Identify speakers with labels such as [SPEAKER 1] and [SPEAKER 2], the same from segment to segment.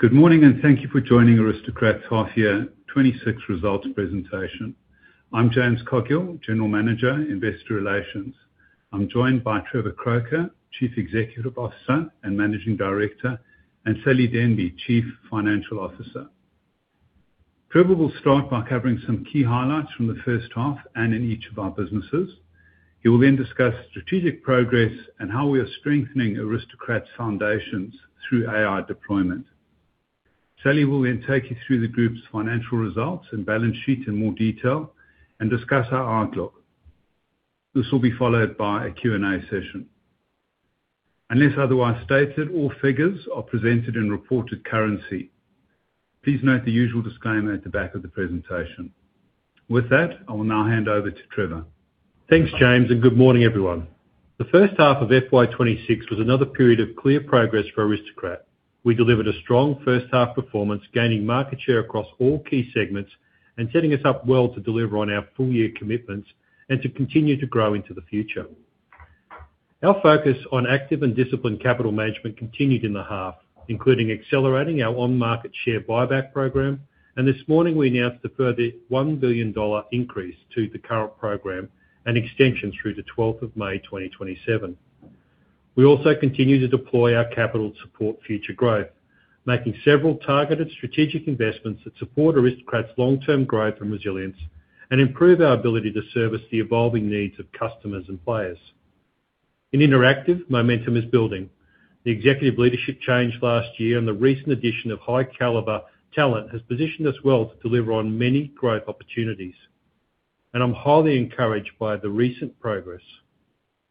[SPEAKER 1] Good morning, and thank you for joining Aristocrat's half year 2026 results presentation. I'm James Coghill, General Manager, Investor Relations. I'm joined by Trevor Croker, Chief Executive Officer and Managing Director, and Sally Denby, Chief Financial Officer. Trevor will start by covering some key highlights from the first half and in each of our businesses. He will discuss strategic progress and how we are strengthening Aristocrat's foundations through AI deployment. Sally will take you through the group's financial results and balance sheet in more detail and discuss our outlook. This will be followed by a Q&A session. Unless otherwise stated, all figures are presented in reported currency. Please note the usual disclaimer at the back of the presentation. With that, I will now hand over to Trevor.
[SPEAKER 2] Thanks, James, and good morning, everyone. The first half of FY 2026 was another period of clear progress for Aristocrat. We delivered a strong first half performance, gaining market share across all key segments and setting us up well to deliver on our full year commitments and to continue to grow into the future. Our focus on active and disciplined capital management continued in the half, including accelerating our on-market share buyback program. This morning, we announced a further 1 billion dollar increase to the current program and extension through 12th of May 2027. We also continue to deploy our capital to support future growth, making several targeted strategic investments that support Aristocrat's long-term growth and resilience and improve our ability to service the evolving needs of customers and players. In Interactive, momentum is building. The executive leadership change last year and the recent addition of high caliber talent has positioned us well to deliver on many growth opportunities, and I'm highly encouraged by the recent progress.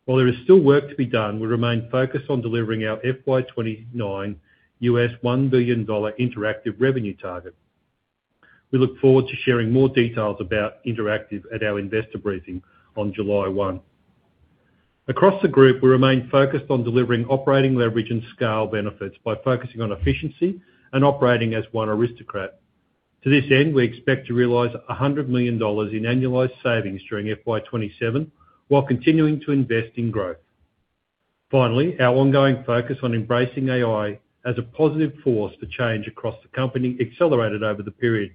[SPEAKER 2] While there is still work to be done, we remain focused on delivering our FY 2029 $1 billion Interactive revenue target. We look forward to sharing more details about Interactive at our investor briefing on July 1. Across the group, we remain focused on delivering operating leverage and scale benefits by focusing on efficiency and operating as One Aristocrat. To this end, we expect to realize 100 million dollars in annualized savings during FY 2027 while continuing to invest in growth. Finally, our ongoing focus on embracing AI as a positive force for change across the company accelerated over the period,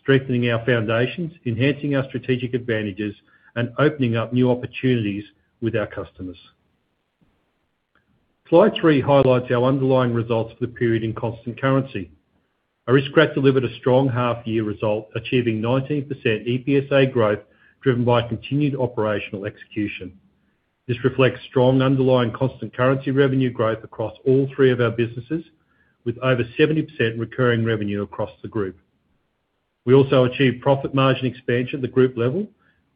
[SPEAKER 2] strengthening our foundations, enhancing our strategic advantages, and opening up new opportunities with our customers. Slide three highlights our underlying results for the period in constant currency. Aristocrat delivered a strong half year result, achieving 19% EPSA growth, driven by continued operational execution. This reflects strong underlying constant currency revenue growth across all three of our businesses, with over 70% recurring revenue across the group. We also achieved profit margin expansion at the group level,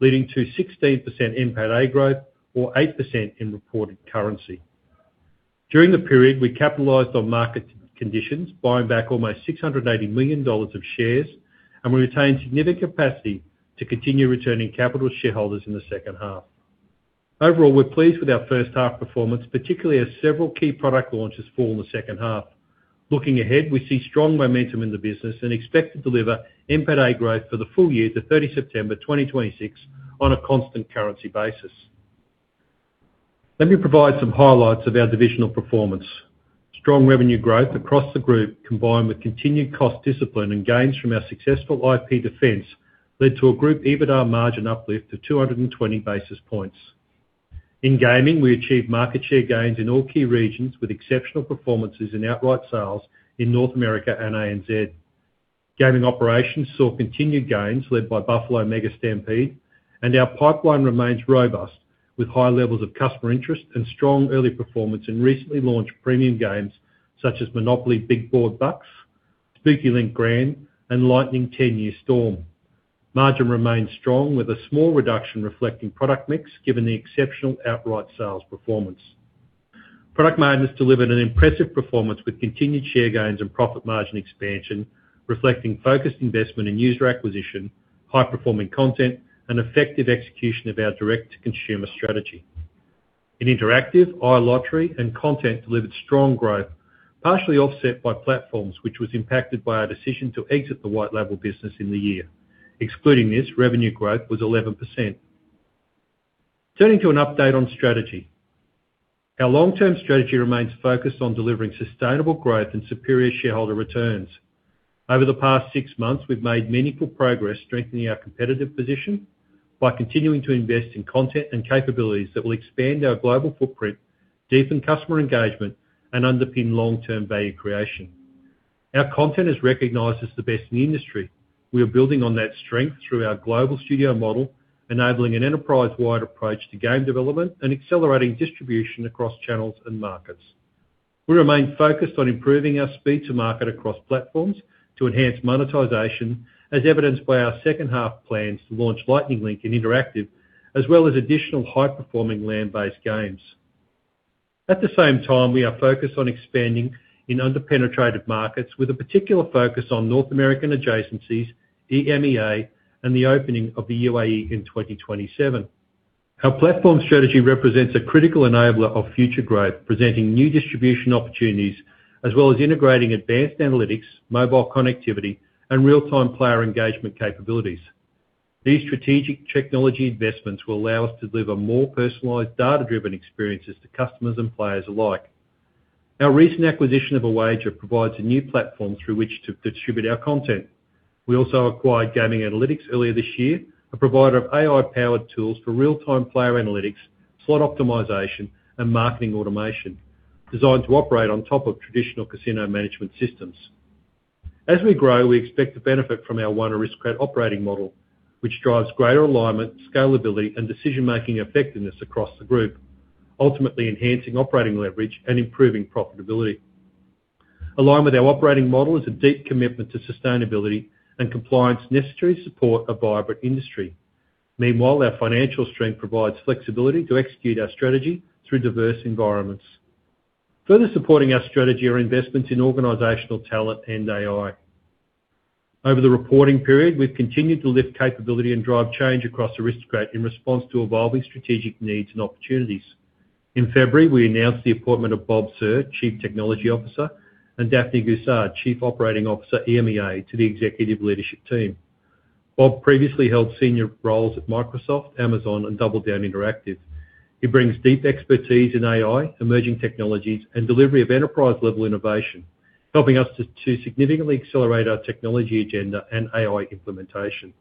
[SPEAKER 2] leading to 16% NPAT-A growth or 8% in reported currency. During the period, we capitalized on market conditions, buying back almost 680 million dollars of shares, and we retained significant capacity to continue returning capital to shareholders in the second half. Overall, we're pleased with our first half performance, particularly as several key product launches fall in the second half. Looking ahead, we see strong momentum in the business and expect to deliver NPAT-A growth for the full year to 30 September 2026 on a constant currency basis. Let me provide some highlights of our divisional performance. Strong revenue growth across the group, combined with continued cost discipline and gains from our successful IP defense, led to a group EBITDA margin uplift of 220 basis points. In gaming, we achieved market share gains in all key regions with exceptional performances in outright sales in North America and ANZ. Gaming operations saw continued gains led by Buffalo Mega Stampede, and our pipeline remains robust with high levels of customer interest and strong early performance in recently launched premium games such as MONOPOLY Big Board Bucks, Spooky Link Grand, and Lightning 10 Year Storm. Margin remains strong with a small reduction reflecting product mix given the exceptional outright sales performance. Product Madness has delivered an impressive performance with continued share gains and profit margin expansion, reflecting focused investment in user acquisition, high-performing content, and effective execution of our direct to consumer strategy. In Interactive, iLottery and content delivered strong growth, partially offset by platforms which was impacted by our decision to exit the white label business in the year. Excluding this, revenue growth was 11%. Turning to an update on strategy. Our long-term strategy remains focused on delivering sustainable growth and superior shareholder returns. Over the past six months, we've made meaningful progress strengthening our competitive position by continuing to invest in content and capabilities that will expand our global footprint, deepen customer engagement, and underpin long-term value creation. Our content is recognized as the best in the industry. We are building on that strength through our global studio model, enabling an enterprise-wide approach to game development and accelerating distribution across channels and markets. We remain focused on improving our speed to market across platforms to enhance monetization, as evidenced by our second half plans to launch Lightning Link in Interactive, as well as additional high-performing land-based games. At the same time, we are focused on expanding in under-penetrated markets with a particular focus on North American adjacencies, EMEA, and the opening of the UAE in 2027. Our platform strategy represents a critical enabler of future growth, presenting new distribution opportunities, as well as integrating advanced analytics, mobile connectivity, and real-time player engagement capabilities. These strategic technology investments will allow us to deliver more personalized data-driven experiences to customers and players alike. Our recent acquisition of Awager provides a new platform through which to distribute our content. We also acquired Gaming Analytics earlier this year, a provider of AI-powered tools for real-time player analytics, slot optimization, and marketing automation designed to operate on top of traditional casino management systems. As we grow, we expect to benefit from our One Aristocrat operating model, which drives greater alignment, scalability, and decision-making effectiveness across the group, ultimately enhancing operating leverage and improving profitability. Along with our operating model is a deep commitment to sustainability and compliance necessary to support a vibrant industry. Meanwhile, our financial strength provides flexibility to execute our strategy through diverse environments. Further supporting our strategy are investments in organizational talent and AI. Over the reporting period, we've continued to lift capability and drive change across Aristocrat in response to evolving strategic needs and opportunities. In February, we announced the appointment of Bob Serr, Chief Technology Officer, and Dafne Guisard, Chief Operating Officer, EMEA, to the executive leadership team. Bob previously held senior roles at Microsoft, Amazon, and DoubleDown Interactive. He brings deep expertise in AI, emerging technologies, and delivery of enterprise-level innovation, helping us to significantly accelerate our technology agenda and AI implementation.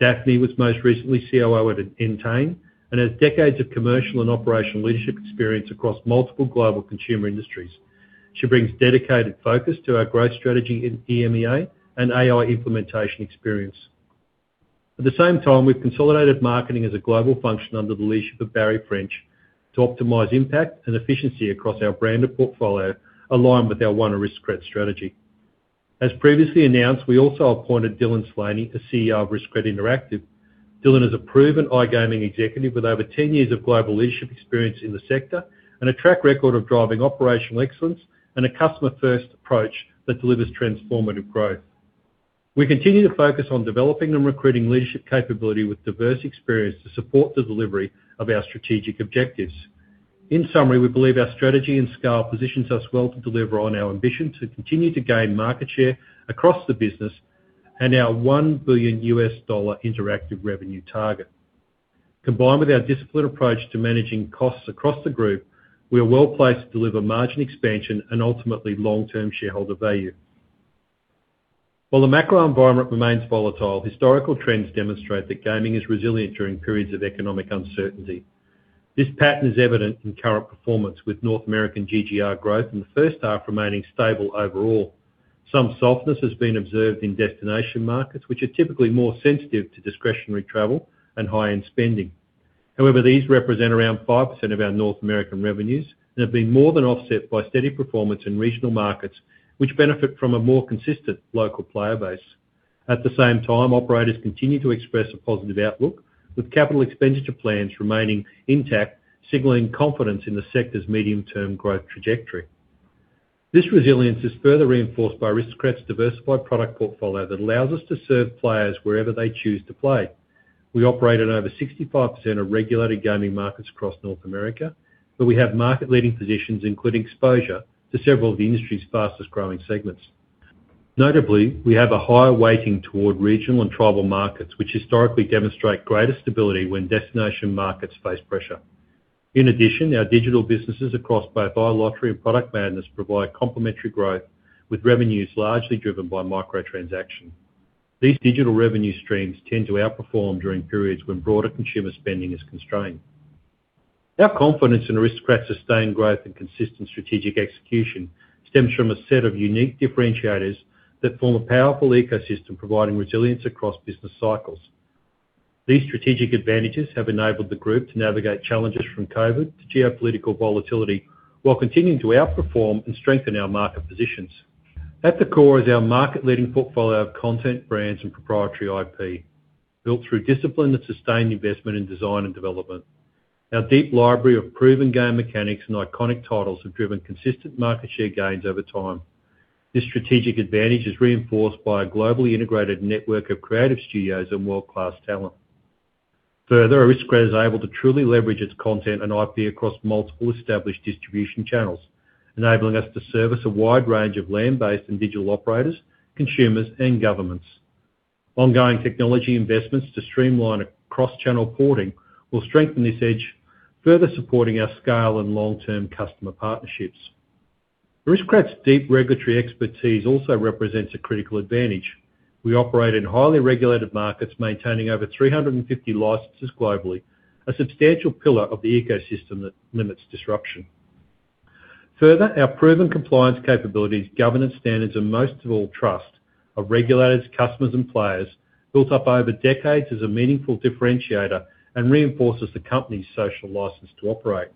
[SPEAKER 2] Dafne was most recently COO at Entain and has decades of commercial and operational leadership experience across multiple global consumer industries. She brings dedicated focus to our growth strategy in EMEA and AI implementation experience. At the same time, we've consolidated marketing as a global function under the leadership of Barry French to optimize impact and efficiency across our brand portfolio aligned with our One Aristocrat strategy. As previously announced, we also appointed Dylan Slaney, CEO of Aristocrat Interactive. Dylan is a proven iGaming executive with over 10 years of global leadership experience in the sector and a track record of driving operational excellence and a customer-first approach that delivers transformative growth. We continue to focus on developing and recruiting leadership capability with diverse experience to support the delivery of our strategic objectives. In summary, we believe our strategy and scale positions us well to deliver on our ambition to continue to gain market share across the business and our $1 billion interactive revenue target. Combined with our disciplined approach to managing costs across the group, we are well-placed to deliver margin expansion and ultimately long-term shareholder value. While the macro environment remains volatile, historical trends demonstrate that gaming is resilient during periods of economic uncertainty. This pattern is evident in current performance with North American GGR growth in the first half remaining stable overall. Some softness has been observed in destination markets, which are typically more sensitive to discretionary travel and high-end spending. However, these represent around 5% of our North American revenues and have been more than offset by steady performance in regional markets, which benefit from a more consistent local player base. At the same time, operators continue to express a positive outlook, with capital expenditure plans remaining intact, signaling confidence in the sector's medium-term growth trajectory. This resilience is further reinforced by Aristocrat's diversified product portfolio that allows us to serve players wherever they choose to play. We operate in over 65% of regulated gaming markets across North America. We have market-leading positions, including exposure to several of the industry's fastest-growing segments. Notably, we have a higher weighting toward regional and tribal markets, which historically demonstrate greater stability when destination markets face pressure. In addition, our digital businesses across both iLottery and Product Madness provide complementary growth, with revenues largely driven by micro-transaction. These digital revenue streams tend to outperform during periods when broader consumer spending is constrained. Our confidence in Aristocrat's sustained growth and consistent strategic execution stems from a set of unique differentiators that form a powerful ecosystem providing resilience across business cycles. These strategic advantages have enabled the group to navigate challenges from COVID to geopolitical volatility while continuing to outperform and strengthen our market positions. At the core is our market-leading portfolio of content, brands, and proprietary IP, built through discipline and sustained investment in design and development. Our deep library of proven game mechanics and iconic titles have driven consistent market share gains over time. This strategic advantage is reinforced by a globally integrated network of creative studios and world-class talent. Aristocrat is able to truly leverage its content and IP across multiple established distribution channels, enabling us to service a wide range of land-based and digital operators, consumers, and governments. Ongoing technology investments to streamline cross-channel porting will strengthen this edge, further supporting our scale and long-term customer partnerships. Aristocrat's deep regulatory expertise also represents a critical advantage. We operate in highly regulated markets, maintaining over 350 licenses globally, a substantial pillar of the ecosystem that limits disruption. Our proven compliance capabilities, governance standards, and most of all, trust of regulators, customers, and players built up over decades is a meaningful differentiator and reinforces the company's social license to operate.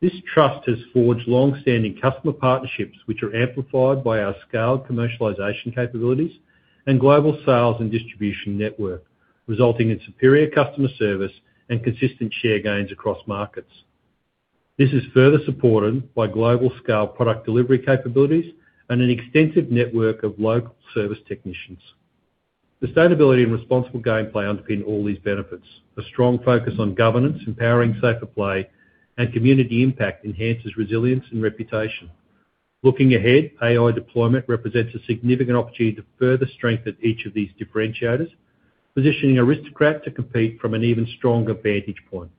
[SPEAKER 2] This trust has forged long-standing customer partnerships, which are amplified by our scaled commercialization capabilities and global sales and distribution network, resulting in superior customer service and consistent share gains across markets. This is further supported by global scale product delivery capabilities and an extensive network of local service technicians. Sustainability and responsible gameplay underpin all these benefits. A strong focus on governance, empowering safer play, and community impact enhances resilience and reputation. Looking ahead, AI deployment represents a significant opportunity to further strengthen each of these differentiators, positioning Aristocrat to compete from an even stronger vantage point.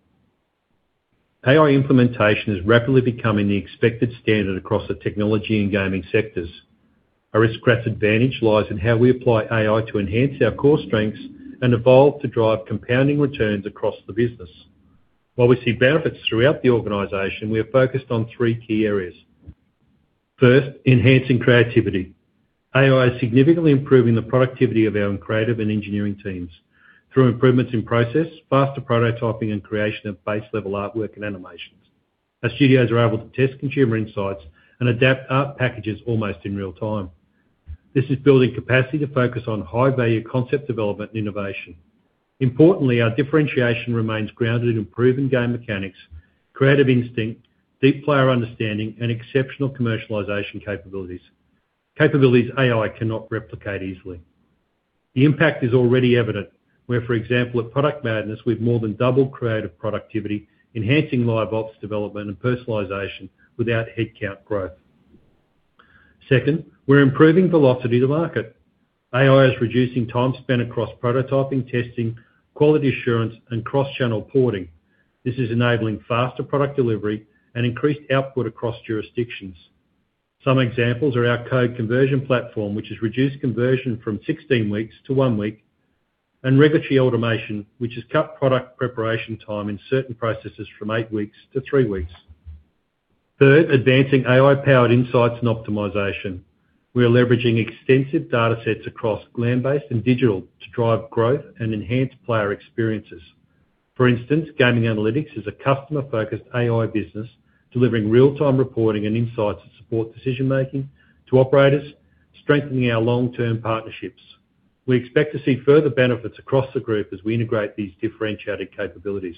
[SPEAKER 2] AI implementation is rapidly becoming the expected standard across the technology and gaming sectors. Aristocrat's advantage lies in how we apply AI to enhance our core strengths and evolve to drive compounding returns across the business. While we see benefits throughout the organization, we are focused on three key areas. First, enhancing creativity. AI is significantly improving the productivity of our own creative and engineering teams through improvements in process, faster prototyping, and creation of base level artwork and animations. Our studios are able to test consumer insights and adapt art packages almost in real time. This is building capacity to focus on high-value concept development and innovation. Importantly, our differentiation remains grounded in proven game mechanics, creative instinct, deep player understanding, and exceptional commercialization capabilities. Capabilities AI cannot replicate easily. The impact is already evident. Where, for example, at Product Madness, we've more than doubled creative productivity, enhancing Live Ops development and personalization without headcount growth. Second, we're improving velocity to market. AI is reducing time spent across prototyping, testing, quality assurance, and cross-channel porting. This is enabling faster product delivery and increased output across jurisdictions. Some examples are our code conversion platform, which has reduced conversion from 16 weeks to one week, and regulatory automation, which has cut product preparation time in certain processes from eight weeks to three weeks. Third, advancing AI-powered insights and optimization. We are leveraging extensive data sets across land-based and digital to drive growth and enhance player experiences. For instance, Gaming Analytics is a customer-focused AI business delivering real-time reporting and insights to support decision-making to operators, strengthening our long-term partnerships. We expect to see further benefits across the group as we integrate these differentiated capabilities.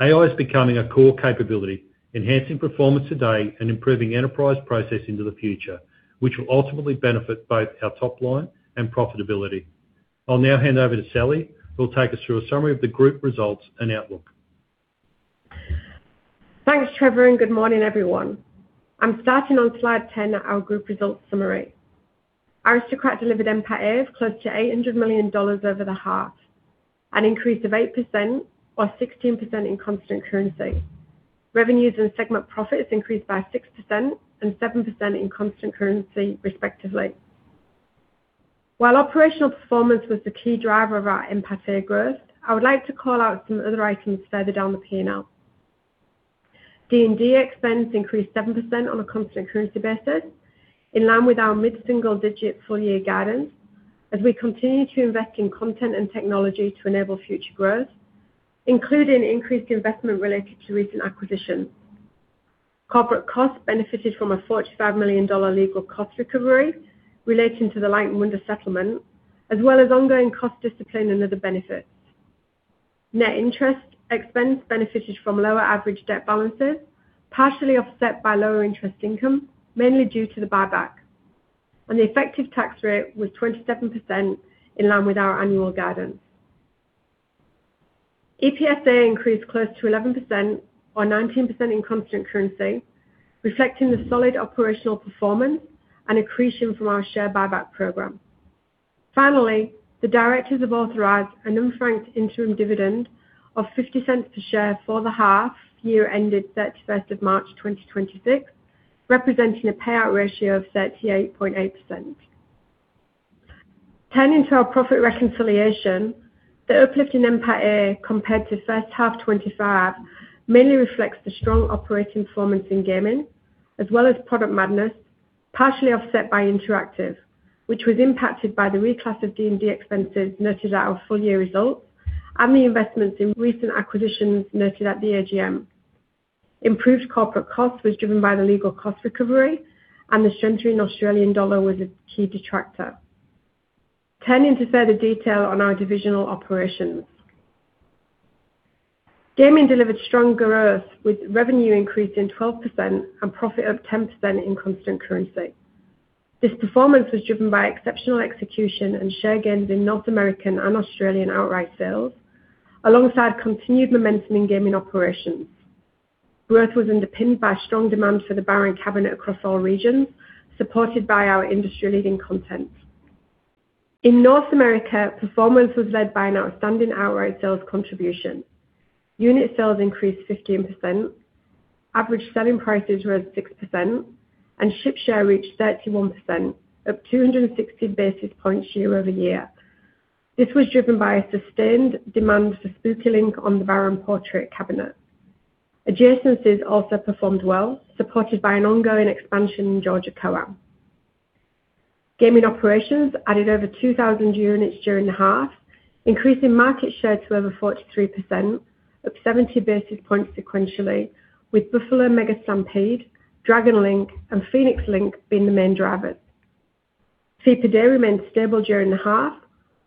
[SPEAKER 2] AI is becoming a core capability, enhancing performance today and improving enterprise process into the future, which will ultimately benefit both our top line and profitability. I'll now hand over to Sally, who will take us through a summary of the group results and outlook.
[SPEAKER 3] Thanks, Trevor. Good morning, everyone. I'm starting on slide 10, our group results summary. Aristocrat delivered NPAT-A of close to 800 million dollars over the half, an increase of 8% or 16% in constant currency. Revenues and segment profits increased by 6% and 7% in constant currency, respectively. While operational performance was the key driver of our NPAT-A growth, I would like to call out some other items further down the P&L. D&D expense increased 7% on a constant currency basis, in line with our mid-single-digit full-year guidance, as we continue to invest in content and technology to enable future growth, including increased investment related to recent acquisitions. Corporate costs benefited from a 45 million dollar legal cost recovery relating to the Light & Wonder settlement, as well as ongoing cost discipline and other benefits. Net interest expense benefited from lower average debt balances, partially offset by lower interest income, mainly due to the buyback. The effective tax rate was 27%, in line with our annual guidance. EPSA increased close to 11% or 19% in constant currency, reflecting the solid operational performance and accretion from our share buyback program. Finally, the directors have authorized an unfranked interim dividend of 0.50 per share for the half year ended 31st of March 2026, representing a payout ratio of 38.8%. Turning to our profit reconciliation, the uplift in NPATA compared to first half 2025 mainly reflects the strong operating performance in gaming, as well as Product Madness, partially offset by Interactive, which was impacted by the reclass of D&D expenses noted at our full-year results and the investments in recent acquisitions noted at the AGM. Improved corporate costs was driven by the legal cost recovery, the strengthening Australian dollar was a key detractor. Turning to further detail on our divisional operations. Gaming delivered strong growth, with revenue increasing 12% and profit up 10% in constant currency. This performance was driven by exceptional execution and share gains in North American and Australian outright sales, alongside continued momentum in gaming operations. Growth was underpinned by strong demand for the Baron cabinet across all regions, supported by our industry-leading content. In North America, performance was led by an outstanding outright sales contribution. Unit sales increased 15%, average selling prices rose 6%, and ship share reached 31%, up 260 basis points year-over-year. This was driven by a sustained demand for Spooky Link on the Baron Portrait cabinet. Adjacencies also performed well, supported by an ongoing expansion in Georgia COAM. Gaming operations added over 2,000 units during the half, increasing market share to over 43%, up 70 basis points sequentially, with Buffalo Mega Stampede, Dragon Link, and Phoenix Link being the main drivers. Fee per day remained stable during the half,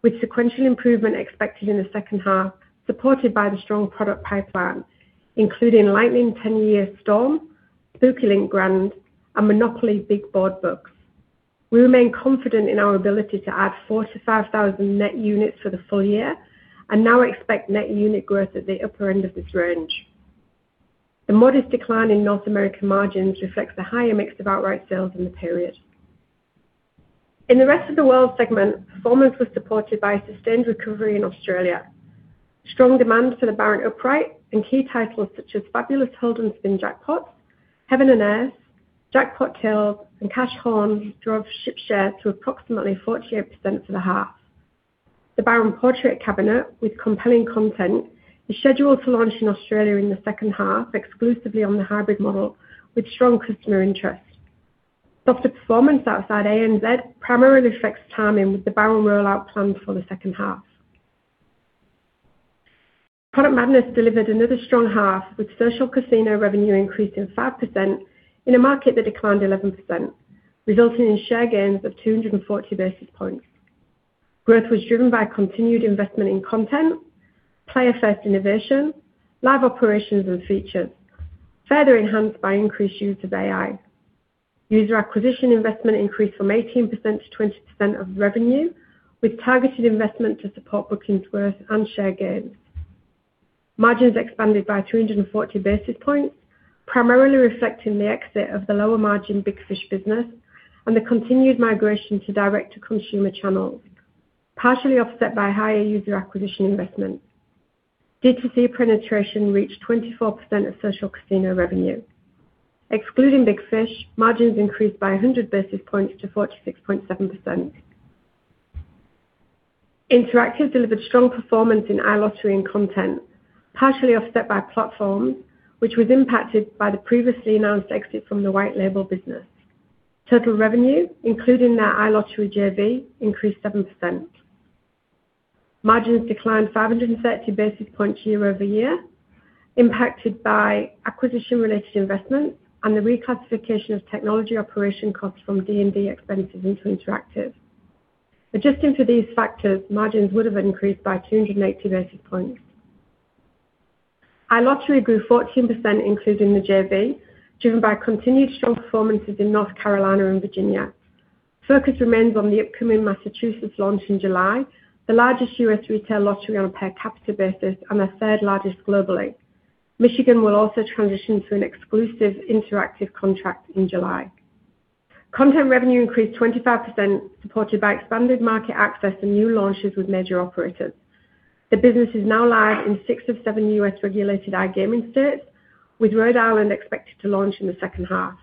[SPEAKER 3] with sequential improvement expected in the second half, supported by the strong product pipeline, including Lightning 10 Year Storm, Spooky Link Grand, and MONOPOLY Big Board Bucks. We remain confident in our ability to add 4,000-5,000 net units for the full year and now expect net unit growth at the upper end of this range. The modest decline in North American margins reflects the higher mix of outright sales in the period. In the rest of the world segment, performance was supported by a sustained recovery in Australia. Strong demand for the Baron Upright and key titles such as Fabulous Golden Spin Jackpot, Heaven and Earth, Jackpot Chill, and Cash Crown drove ship share to approximately 48% for the half. The Baron Portrait Cabinet with compelling content is scheduled to launch in Australia in the second half, exclusively on the hybrid model with strong customer interest. Softer performance outside ANZ primarily affects timing, with the Baron rollout planned for the second half. Product Madness delivered another strong half, with social casino revenue increasing 5% in a market that declined 11%, resulting in share gains of 240 basis points. Growth was driven by continued investment in content, player-first innovation, live operations, and features further enhanced by increased use of AI. User acquisition investment increased from 18% to 20% of revenue, with targeted investment to support bookings worth and share gains. Margins expanded by 240 basis points, primarily reflecting the exit of the lower margin Big Fish business and the continued migration to direct to consumer channels, partially offset by higher user acquisition investments. DTC penetration reached 24% of social casino revenue. Excluding Big Fish, margins increased by 100 basis points to 46.7%. Interactive delivered strong performance in iLottery and content, partially offset by platforms which was impacted by the previously announced exit from the white label business. Total revenue, including our iLottery JV, increased 7%. Margins declined 530 basis points year-over-year, impacted by acquisition-related investments and the reclassification of technology operation costs from D&D expenses into Interactive. Adjusting for these factors, margins would have increased by 280 basis points. iLottery grew 14%, including the JV, driven by continued strong performances in North Carolina and Virginia. Focus remains on the upcoming Massachusetts launch in July, the largest U.S. retail lottery on a per capita basis and the third largest globally. Michigan will also transition to an exclusive interactive contract in July. Content revenue increased 25%, supported by expanded market access and new launches with major operators. The business is now live in six of seven U.S. regulated iGaming states, with Rhode Island expected to launch in the second half.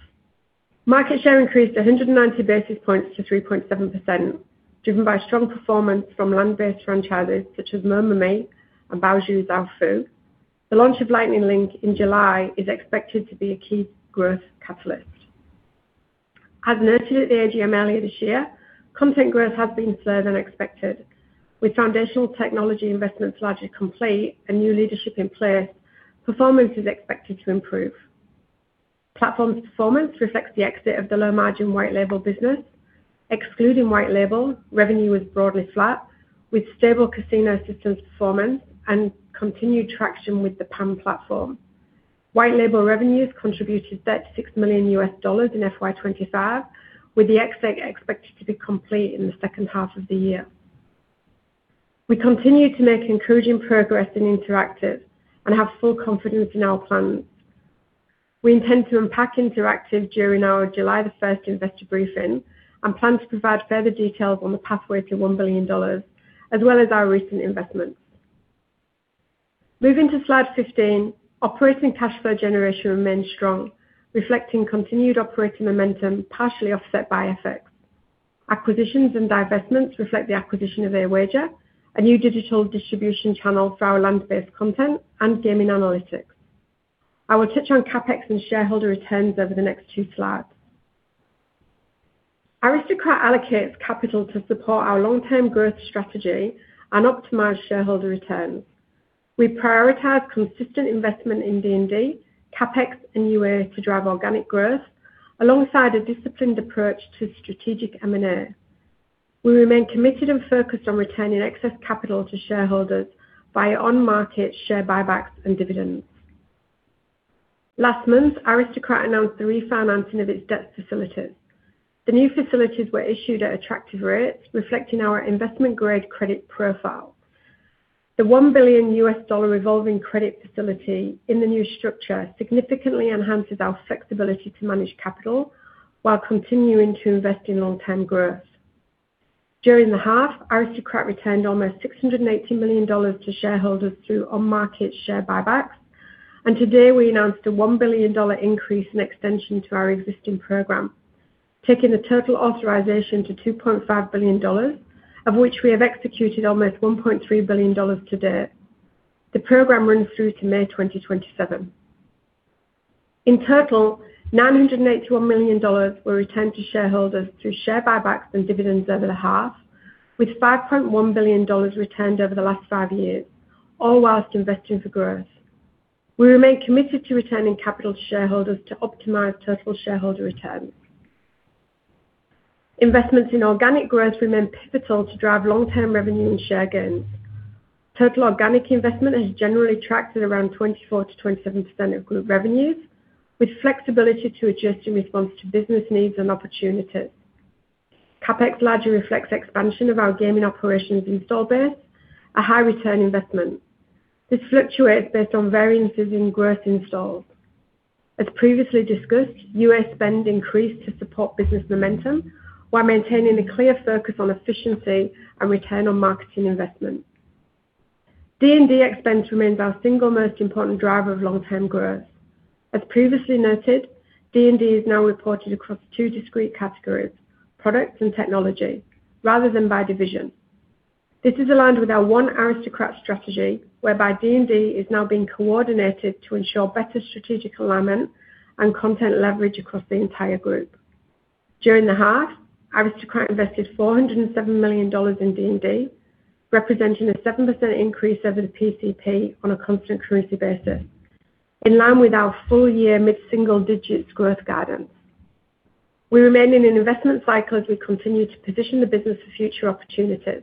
[SPEAKER 3] Market share increased 190 basis points to 3.7%, driven by strong performance from land-based franchises such as Mermaid and Bao Zhu Zhao Fu. The launch of Lightning Link in July is expected to be a key growth catalyst. As noted at the AGM earlier this year, content growth has been slower than expected. With foundational technology investments largely complete and new leadership in place, performance is expected to improve. Platform performance reflects the exit of the low-margin white label business. Excluding white label, revenue was broadly flat, with stable casino systems performance and continued traction with the PAM platform. White label revenues contributed $36 million in FY 2025, with the exit expected to be complete in the second half of the year. We continue to make encouraging progress in Interactive and have full confidence in our plans. We intend to unpack Interactive during our July the 1st investor briefing and plan to provide further details on the pathway to $1 billion as well as our recent investments. Moving to slide 15, operating cash flow generation remains strong, reflecting continued operating momentum, partially offset by effects. Acquisitions and divestments reflect the acquisition of Awager, a new digital distribution channel for our land-based content and Gaming Analytics. I will touch on CapEx and shareholder returns over the next two slides. Aristocrat allocates capital to support our long-term growth strategy and optimize shareholder returns. We prioritize consistent investment in D&D, CapEx, and UA to drive organic growth alongside a disciplined approach to strategic M&A. We remain committed and focused on returning excess capital to shareholders via on-market share buybacks and dividends. Last month, Aristocrat announced the refinancing of its debt facilities. The new facilities were issued at attractive rates, reflecting our investment-grade credit profile. The $1 billion revolving credit facility in the new structure significantly enhances our flexibility to manage capital while continuing to invest in long-term growth. During the half, Aristocrat returned almost 680 million dollars to shareholders through on-market share buybacks, and today we announced a 1 billion dollar increase in extension to our existing program, taking the total authorization to 2.5 billion dollars, of which we have executed almost 1.3 billion dollars to date. The program runs through to May 2027. In total, 981 million dollars were returned to shareholders through share buybacks and dividends over the half, with 5.1 billion dollars returned over the last five years, all while investing for growth. We remain committed to returning capital to shareholders to optimize total shareholder returns. Investments in organic growth remain pivotal to drive long-term revenue and share gains. Total organic investment has generally tracked at around 24%-27% of group revenues, with flexibility to adjust in response to business needs and opportunities. CapEx largely reflects expansion of our gaming operations install base, a high-return investment. This fluctuates based on variances in growth installs. As previously discussed, U.S. spend increased to support business momentum while maintaining a clear focus on efficiency and return on marketing investment. D&D expense remains our single most important driver of long-term growth. As previously noted, D&D is now reported across two discrete categories, product and technology, rather than by division. This is aligned with our One Aristocrat strategy, whereby D&D is now being coordinated to ensure better strategic alignment and content leverage across the entire group. During the half, Aristocrat invested 407 million dollars in D&D, representing a 7% increase over the PCP on a constant currency basis, in line with our full year mid-single-digit growth guidance. We remain in an investment cycle as we continue to position the business for future opportunities.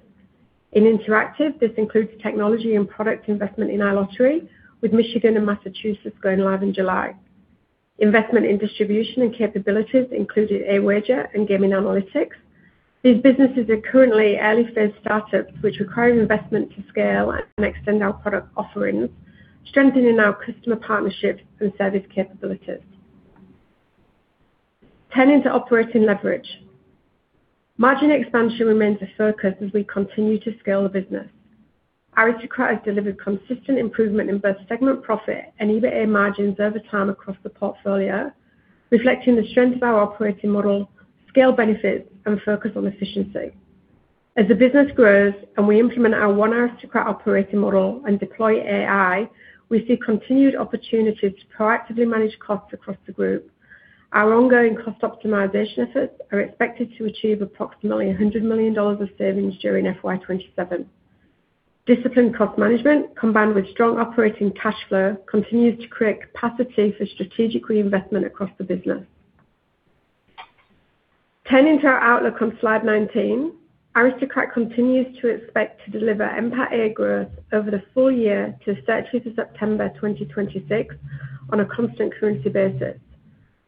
[SPEAKER 3] In Interactive, this includes technology and product investment in iLottery, with Michigan and Massachusetts going live in July. Investment in distribution and capabilities included Awager and Gaming Analytics. These businesses are currently early-phase startups which require investment to scale and extend our product offerings, strengthening our customer partnerships and service capabilities. Turning to operating leverage. Margin expansion remains a focus as we continue to scale the business. Aristocrat has delivered consistent improvement in both segment profit and EBITA margins over time across the portfolio, reflecting the strength of our operating model, scale benefits, and focus on efficiency. As the business grows and we implement our One Aristocrat operating model and deploy AI, we see continued opportunities to proactively manage costs across the group. Our ongoing cost optimization efforts are expected to achieve approximately 100 million dollars of savings during FY 2027. Disciplined cost management, combined with strong operating cash flow, continues to create capacity for strategic reinvestment across the business. Turning to our outlook on slide 19. Aristocrat continues to expect to deliver NPAT growth over the full year to 30th of September 2026 on a constant currency basis.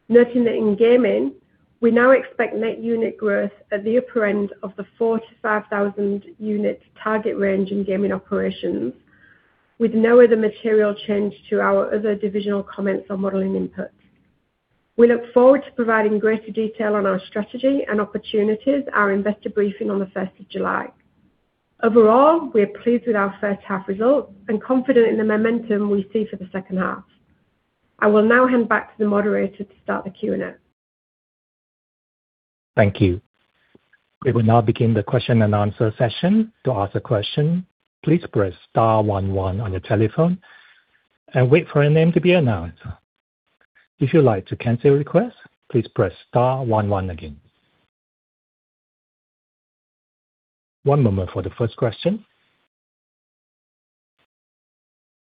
[SPEAKER 3] Noting that in gaming, we now expect net unit growth at the upper end of the 4,000-5,000 units target range in gaming operations, with no other material change to our other divisional comments or modeling inputs. We look forward to providing greater detail on our strategy and opportunities at our investor briefing on the first of July. Overall, we are pleased with our first half results and confident in the momentum we see for the second half. I will now hand back to the moderator to start the Q&A.
[SPEAKER 4] Thank you. We will now begin the question and answer session. To ask a question, please press star one one on your telephone, and wait for your name to be announced. If you like to cancel your request, please press star one one again. One moment for the first question.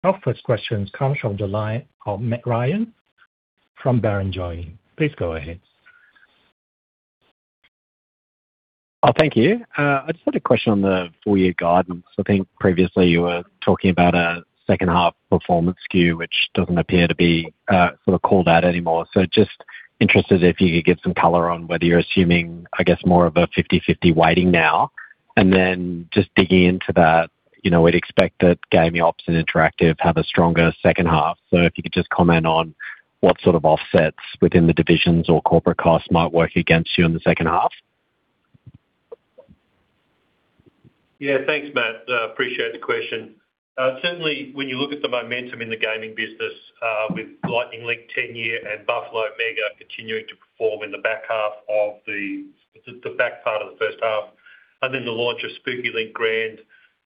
[SPEAKER 4] Our first question comes from the line of Matt Ryan from Barrenjoey. Please go ahead.
[SPEAKER 5] Thank you. I just had a question on the full year guidance. I think previously you were talking about a second half performance skew, which doesn't appear to be sort of called out anymore. Just interested if you could give some color on whether you're assuming, I guess, more of a 50/50 weighting now. Then just digging into that, you know, we'd expect that gaming ops and interactive have a stronger second half. If you could just comment on what sort of offsets within the divisions or corporate costs might work against you in the second half.
[SPEAKER 2] Thanks, Matt. Appreciate the question. Certainly, when you look at the momentum in the gaming business, with Lightning Link 10 Year and Buffalo Mega continuing to perform in the back part of the first half, and then the launch of Spooky Link Grand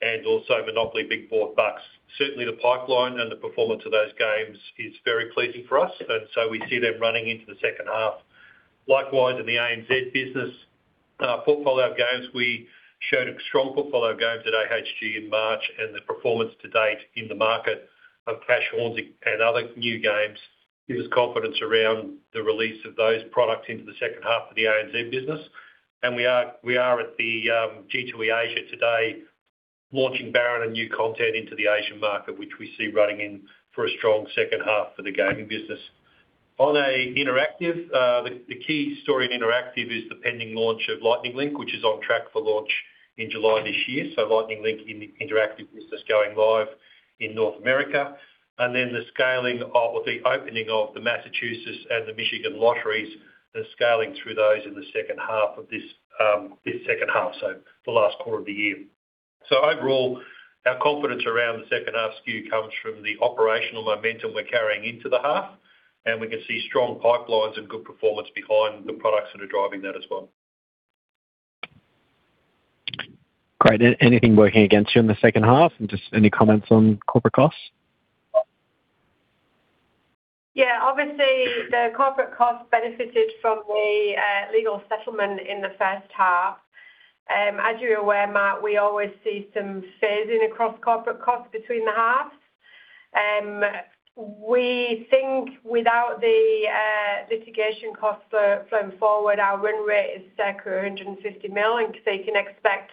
[SPEAKER 2] and also MONOPOLY Big Board Bucks. Certainly, the pipeline and the performance of those games is very pleasing for us. We see them running into the second half. Likewise, in the ANZ business, portfolio of games, we showed a strong portfolio of games at AHG in March, and the performance to date in the market of Cashcorn and other new games gives us confidence around the release of those products into the second half of the ANZ business. We are at the G2E Asia today, launching Baron and new content into the Asian market, which we see running in for a second half for the gaming business. The key story in Interactive is the pending launch of Lightning Link, which is on track for launch in July this year. Lightning Link in the Interactive business going live in North America. The scaling of the opening of the Massachusetts and the Michigan lotteries, the scaling through those in the second half of this second half, so the last quarter of the year. Overall, our confidence around the second half skew comes from the operational momentum we're carrying into the half, and we can see strong pipelines and good performance behind the products that are driving that as well.
[SPEAKER 5] Great. Anything working against you in the second half? Just any comments on corporate costs?
[SPEAKER 3] Yeah. Obviously, the corporate costs benefited from the legal settlement in the first half. As you're aware, Matt, we always see some phasing across corporate costs between the halves. We think without the litigation costs going forward, our win rate is circa 150 million. So, you can expect,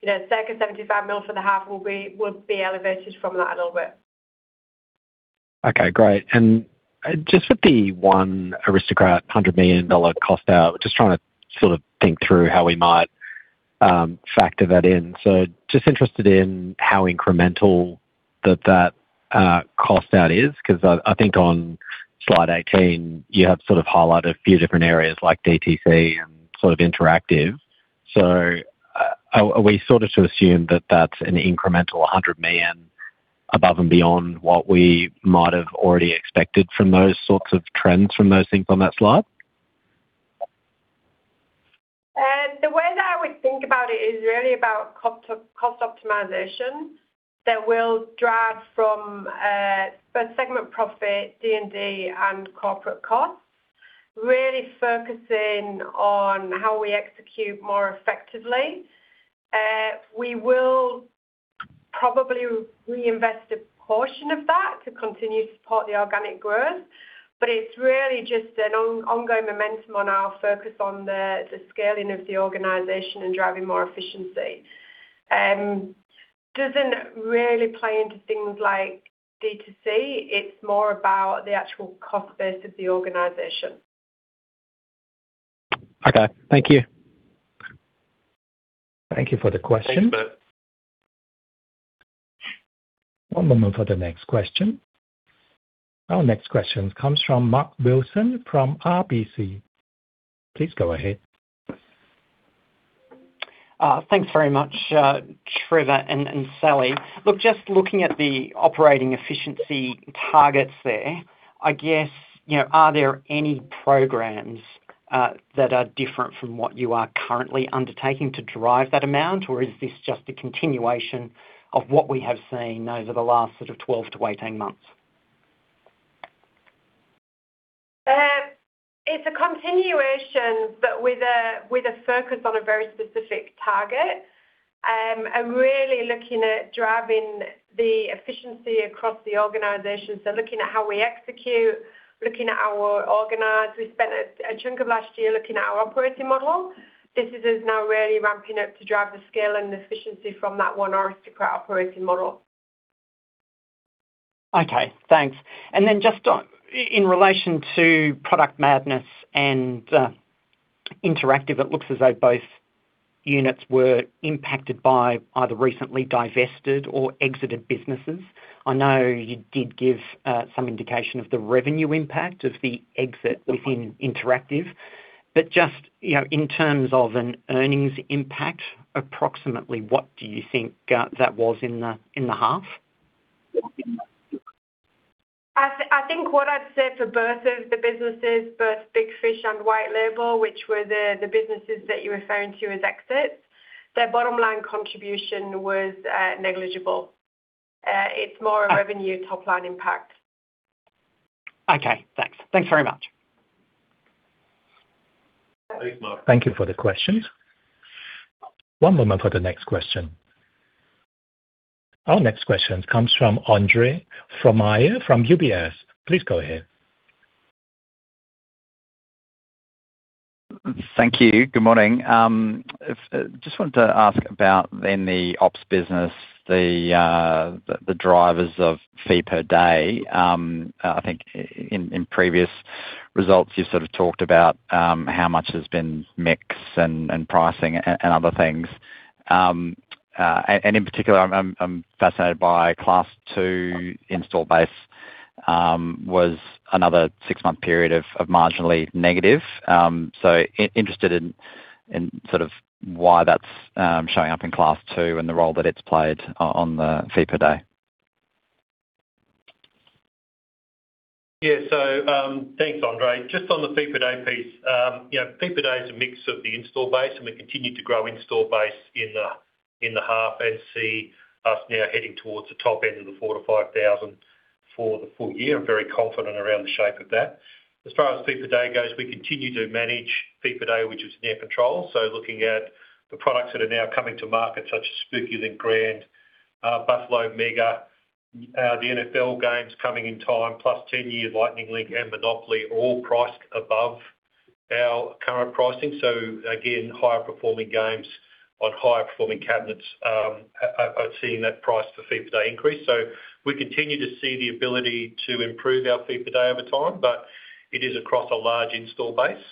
[SPEAKER 3] you know, circa 75 million for the half will be elevated from that a little bit.
[SPEAKER 5] Okay, great. Just with the One Aristocrat 100 million dollar cost out, just trying to sort of think through how we might factor that in. Just interested in how incremental that cost that is because I think on slide 18, you have sort of highlighted a few different areas like DTC and sort of interactive. Are we sort of to assume that that's an incremental 100 million above and beyond what we might have already expected from those sorts of trends from those things on that slide?
[SPEAKER 3] The way that I would think about it is really about cost optimization that will drive from both segment profit, D&D and corporate costs, really focusing on how we execute more effectively. We will probably reinvest a portion of that to continue to support the organic growth, but it's really just an ongoing momentum on our focus on the scaling of the organization and driving more efficiency. Doesn't really play into things like DTC. It's more about the actual cost base of the organization.
[SPEAKER 5] Okay. Thank you.
[SPEAKER 4] Thank you for the question. One moment for the next question. Our next question comes from Mark Wilson from RBC. Please go ahead.
[SPEAKER 6] Thanks very much, Trevor and Sally. Look, just looking at the operating efficiency targets there, I guess, you know, are there any programs that are different from what you are currently undertaking to drive that amount? Is this just a continuation of what we have seen over the last sort of 12 to 18 months?
[SPEAKER 3] It's a continuation, but with a focus on a very specific target. Really looking at driving the efficiency across the organization, so looking at how we execute, looking at our organization. We spent a chunk of last year looking at our operating model. This is now really ramping up to drive the scale and efficiency from that One Aristocrat operating model.
[SPEAKER 6] Okay. Thanks. Then just in relation to Product Madness and Interactive, it looks as though both units were impacted by either recently divested or exited businesses. I know you did give some indication of the revenue impact of the exit within Interactive. Just, you know, in terms of an earnings impact, approximately what do you think that was in the half?
[SPEAKER 3] I think what I'd say for both of the businesses, both Big Fish and White Label, which were the businesses that you're referring to as exits, their bottom line contribution was negligible. It's more a revenue top-line impact.
[SPEAKER 6] Okay. Thanks. Thanks very much.
[SPEAKER 4] Thank you for the question. One moment for the next question. Our next question comes from Andre Fromyhr from UBS. Please go ahead.
[SPEAKER 7] Thank you. Good morning. I just wanted to ask about in the ops business, the drivers of fee per day. I think in previous results you sort of talked about how much has been mix and pricing and other things. In particular, I'm fascinated by Class II install base. Was another six-month period of marginally negative. I'm interested in why that's showing up in Class II and the role that it's played on the fee per day.
[SPEAKER 2] Thanks, Andre Fromyhr. Just on the fee per day piece. You know, fee per day is a mix of the install base, and we continue to grow install base in the half and see us now heading towards the top end of the 4,000-5,000 for the full year. I'm very confident around the shape of that. As far as fee per day goes, we continue to manage fee per day, which is near control. Looking at the products that are now coming to market, such as Spooky Link Grand, Buffalo Mega Stampede, the NFL games coming in time, plus 10-year Lightning Link and MONOPOLY, all priced above our current pricing. Again, higher performing games on higher performing cabinets are seeing that price for fee per day increase. We continue to see the ability to improve our fee per day over time, but it is across a large install base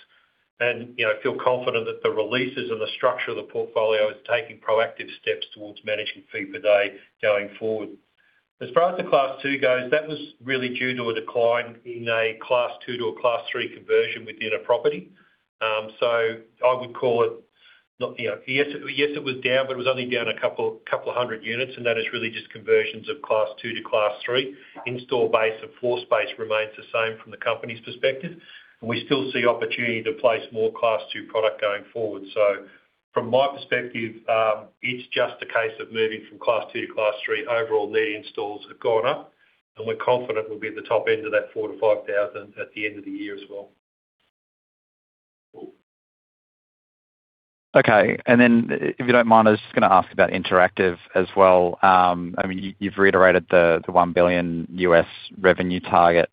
[SPEAKER 2] and, you know, feel confident that the releases and the structure of the portfolio is taking proactive steps towards managing fee per day going forward. As far as the Class II goes, that was really due to a decline in a Class II to a Class III conversion within a property. I would call it not, you know Yes, it was down, but it was only down a couple of 100 units, and that is really just conversions of Class II to Class III. Install base and floor space remains the same from the company's perspective, and we still see opportunity to place more Class II product going forward. From my perspective, it's just a case of moving from Class II to Class III. Overall, net installs have gone up, and we're confident we'll be at the top end of that 4,000-5,000 at the end of the year as well.
[SPEAKER 7] Okay. If you don't mind, I was just gonna ask about interactive as well. I mean, you've reiterated the $1 billion revenue target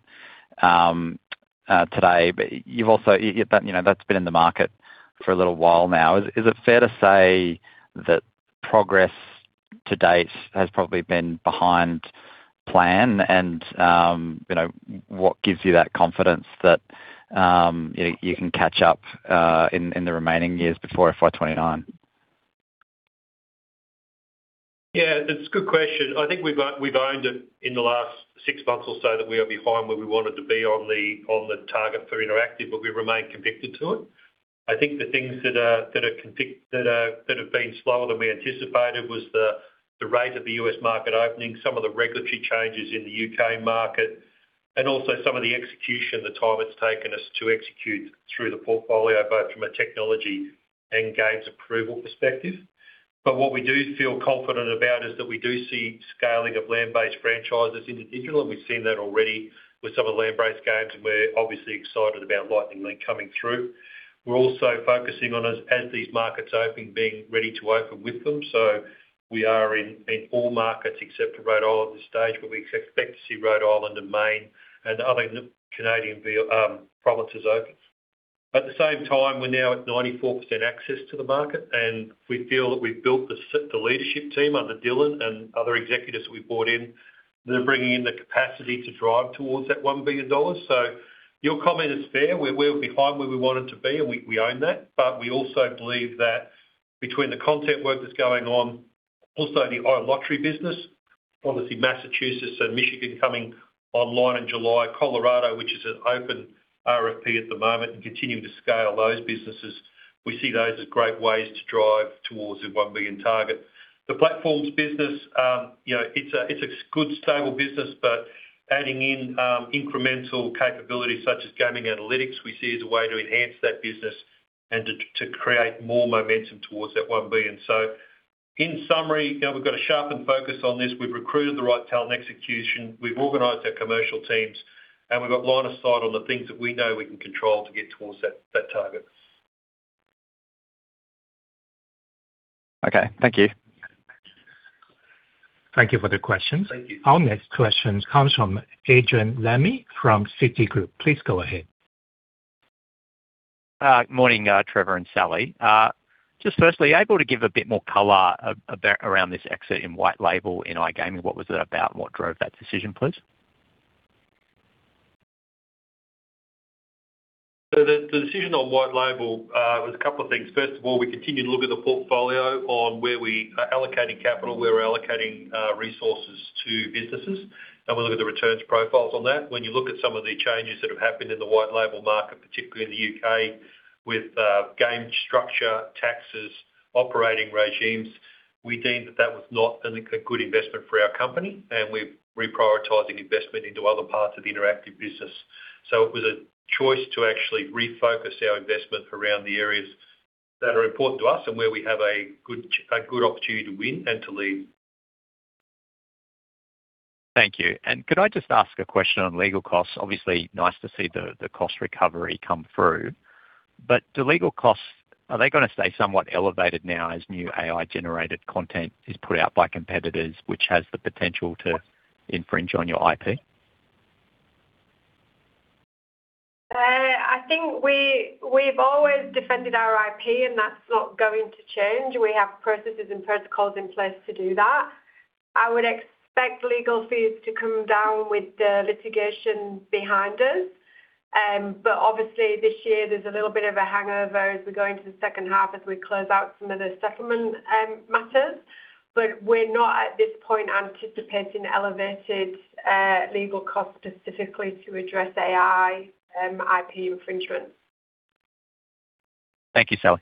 [SPEAKER 7] today, you've also you know, that's been in the market for a little while now. Is it fair to say that progress to date has probably been behind plan and, you know, what gives you that confidence that you can catch up in the remaining years before FY 2029?
[SPEAKER 2] Yeah, it's a good question. I think we've owned it in the last six months or so that we are behind where we wanted to be on the target for Interactive, but we remain convicted to it. I think the things that are, that have been slower than we anticipated was the rate of the U.S. market opening, some of the regulatory changes in the U.K. market, and also some of the execution, the time it's taken us to execute through the portfolio, both from a technology and games approval perspective. What we do feel confident about is that we do see scaling of land-based franchises in digital, and we've seen that already with some of the land-based games, and we're obviously excited about Lightning Link coming through. We're also focusing on as these markets open, being ready to open with them. We are in all markets except for Rhode Island at this stage, but we expect to see Rhode Island and Maine and other Canadian provinces open. At the same time, we're now at 94% access to the market, and we feel that we've built the leadership team under Dylan and other executives we brought in that are bringing in the capacity to drive towards that $1 billion. Your comment is fair. We're behind where we wanted to be, and we own that. We also believe that between the content work that's going on, also the iLottery business, obviously Massachusetts and Michigan coming online in July, Colorado, which is an open RFP at the moment, and continuing to scale those businesses, we see those as great ways to drive towards the 1 billion target. The platforms business, you know, it's a good stable business, but adding in incremental capabilities such as Gaming Analytics, we see as a way to enhance that business and to create more momentum towards that 1 billion. In summary, you know, we've got a sharpened focus on this. We've recruited the right talent execution, we've organized our commercial teams, and we've got line of sight on the things that we know we can control to get towards that target.
[SPEAKER 7] Okay. Thank you.
[SPEAKER 4] Thank you for the questions.
[SPEAKER 2] Thank you.
[SPEAKER 4] Our next question comes from Adrian Lemme from Citigroup. Please go ahead.
[SPEAKER 8] Good morning, Trevor and Sally. Are you able to firstly give a bit more color around this exit in white label in iGaming? What was it about and what drove that decision, please?
[SPEAKER 2] The decision on white label was a couple of things. First of all, we continue to look at the portfolio on where we are allocating capital, where we are allocating resources to businesses, and we look at the returns profiles on that. When you look at some of the changes that have happened in the white label market, particularly in the U.K., with game structure, taxes, operating regimes, we deemed that that was not a good investment for our company, and we're reprioritizing investment into other parts of the interactive business. It was a choice to actually refocus our investment around the areas that are important to us and where we have a good opportunity to win and to lead.
[SPEAKER 8] Thank you. Could I just ask a question on legal costs? Obviously, nice to see the cost recovery come through. Are they gonna stay somewhat elevated now as new AI-generated content is put out by competitors, which has the potential to infringe on your IP?
[SPEAKER 3] I think we've always defended our IP. That's not going to change. We have processes and protocols in place to do that. I would expect legal fees to come down with the litigation behind us. Obviously this year there's a little bit of a hangover as we go into the second half as we close out some of the settlement matters. We're not at this point anticipating elevated legal costs specifically to address AI IP infringement.
[SPEAKER 8] Thank you, Sally.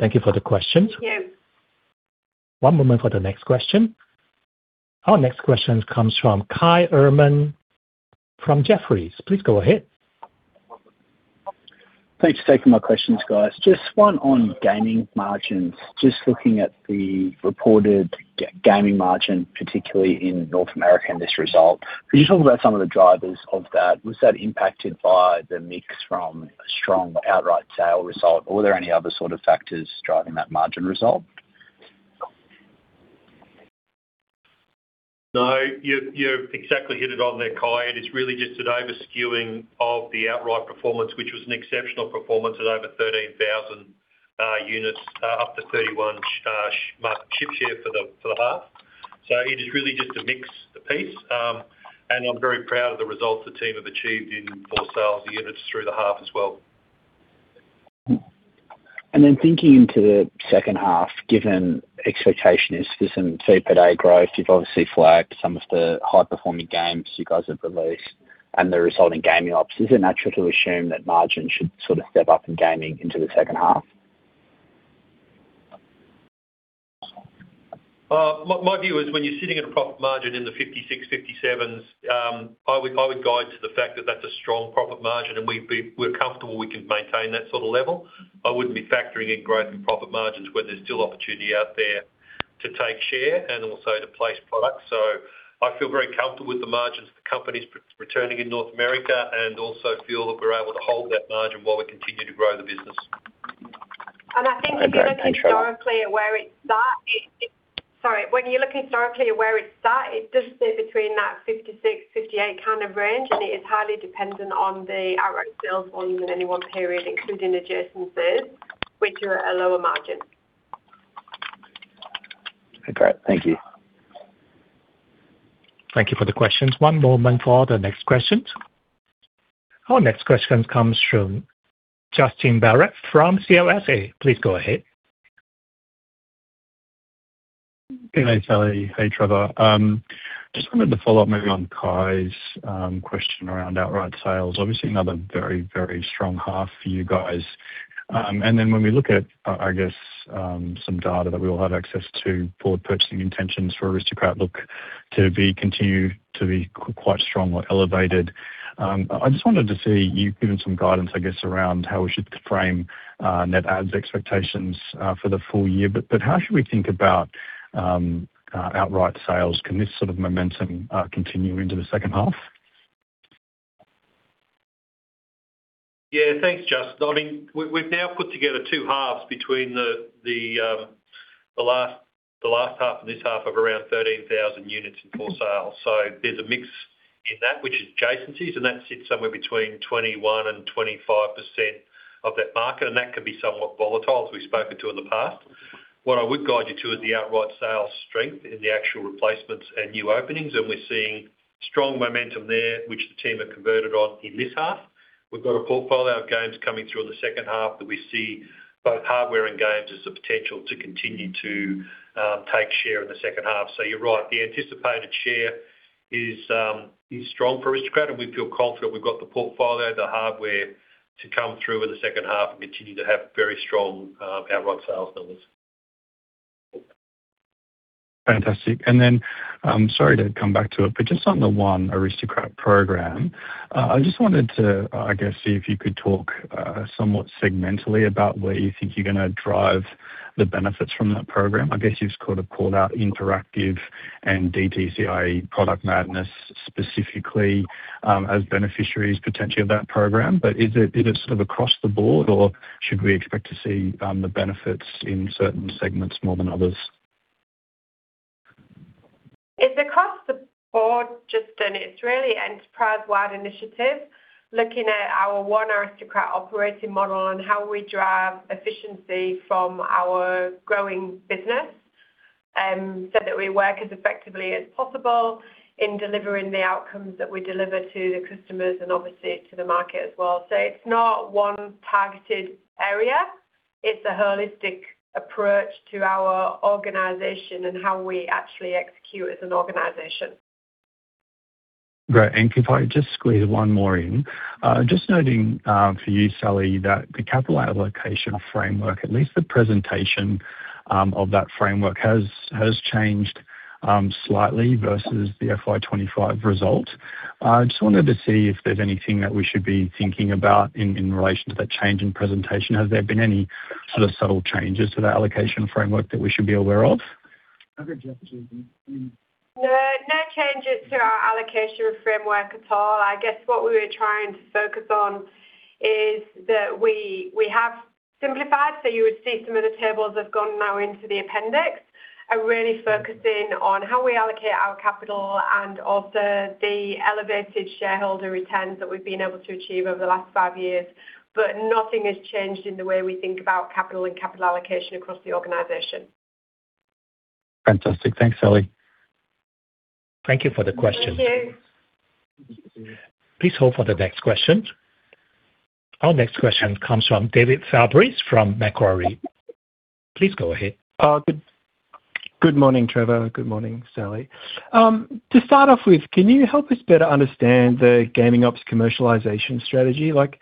[SPEAKER 4] Thank you for the questions.
[SPEAKER 3] Thank you.
[SPEAKER 4] One moment for the next question. Our next question comes from Kai Erman from Jefferies. Please go ahead.
[SPEAKER 9] Thanks for taking my questions, guys. Just one on gaming margins. Just looking at the reported gaming margin, particularly in North America in this result. Could you talk about some of the drivers of that? Was that impacted by the mix from a strong outright sale result, or were there any other sort of factors driving that margin result?
[SPEAKER 2] No, you've exactly hit it on there, Kai. It is really just an over-skewing of the outright performance, which was an exceptional performance at over 13,000 units up to 31 market share for the half. It is really just a mix piece. I'm very proud of the results the team have achieved in full sales units through the half as well.
[SPEAKER 9] Thinking into the second half, given expectation is for some TPER day growth, you've obviously flagged some of the high-performing games you guys have released and the resulting gaming ops. Is it natural to assume that margins should sort of step up in gaming into the second half?
[SPEAKER 2] My view is when you're sitting at a profit margin in the 56%, 57%, I would guide to the fact that that's a strong profit margin and we're comfortable we can maintain that sort of level. I wouldn't be factoring in growth and profit margins where there's still opportunity out there to take share and also to place products. I feel very comfortable with the margins the company's returning in North America and also feel that we're able to hold that margin while we continue to grow the business.
[SPEAKER 3] I think if you're looking historically at where it's sat, when you're looking historically at where it's sat, it does sit between that 56%, 58% kind of range, and it is highly dependent on the outright sales volume in any one period, including adjacencies, which are at a lower margin.
[SPEAKER 9] Great. Thank you.
[SPEAKER 4] Thank you for the questions. One moment for the next questions. Our next question comes from Justin Barratt from CLSA. Please go ahead.
[SPEAKER 10] G'day, Sally. Hey, Trevor. Just wanted to follow up maybe on Kai's question around outright sales. Obviously, another very, very strong half for you guys. When we look at, I guess, some data that we all have access to for purchasing intentions for Aristocrat look to be continue to be quite strong or elevated, I just wanted to see you giving some guidance, I guess, around how we should frame net adds expectations for the full year. How should we think about outright sales? Can this sort of momentum continue into the second half?
[SPEAKER 2] Thanks, Justin. I mean, we've now put together two halves between the last half and this half of around 13,000 units in core sales. There's a mix in that, which is adjacencies, and that sits somewhere between 21% and 25% of that market, and that can be somewhat volatile, as we've spoken to in the past. What I would guide you to is the outright sales strength in the actual replacements and new openings, we're seeing strong momentum there, which the team have converted on in this half. We've got a portfolio of games coming through in the second half that we see both hardware and games as the potential to continue to take share in the second half. You're right, the anticipated share is strong for Aristocrat, and we feel confident we've got the portfolio, the hardware to come through in the second half and continue to have very strong outright sales numbers.
[SPEAKER 10] Sorry to come back to it, but just on the One Aristocrat program, I just wanted to, I guess, see if you could talk somewhat segmentally about where you think you're going to drive the benefits from that program. I guess you sort of called out interactive and DTCI Product Madness specifically as beneficiaries potentially of that program. Is it sort of across the board, or should we expect to see the benefits in certain segments more than others?
[SPEAKER 3] It's across the board, Justin. It's really enterprise-wide initiative. Looking at our One Aristocrat operating model and how we drive efficiency from our growing business, so that we work as effectively as possible in delivering the outcomes that we deliver to the customers and obviously to the market as well. It's not one targeted area. It's a holistic approach to our organization and how we actually execute as an organization.
[SPEAKER 10] Great. If I could just squeeze one more in. Just noting, for you, Sally, that the capital allocation framework, at least the presentation, of that framework has changed slightly versus the FY 2025 result. Just wanted to see if there is anything that we should be thinking about in relation to that change in presentation. Has there been any sort of subtle changes to the allocation framework that we should be aware of?
[SPEAKER 2] Have a go, Sally.
[SPEAKER 3] No, no changes to our allocation framework at all. I guess what we were trying to focus on is that we have simplified. You would see some of the tables have gone now into the appendix, are really focusing on how we allocate our capital and also the elevated shareholder returns that we've been able to achieve over the last five years. Nothing has changed in the way we think about capital and capital allocation across the organization.
[SPEAKER 10] Fantastic. Thanks, Sally.
[SPEAKER 4] Thank you for the question.
[SPEAKER 3] Thank you.
[SPEAKER 4] Please hold for the next question. Our next question comes from David Fabris from Macquarie. Please go ahead.
[SPEAKER 11] Good morning, Trevor. Good morning, Sally. To start off with, can you help us better understand the gaming ops commercialization strategy? Like,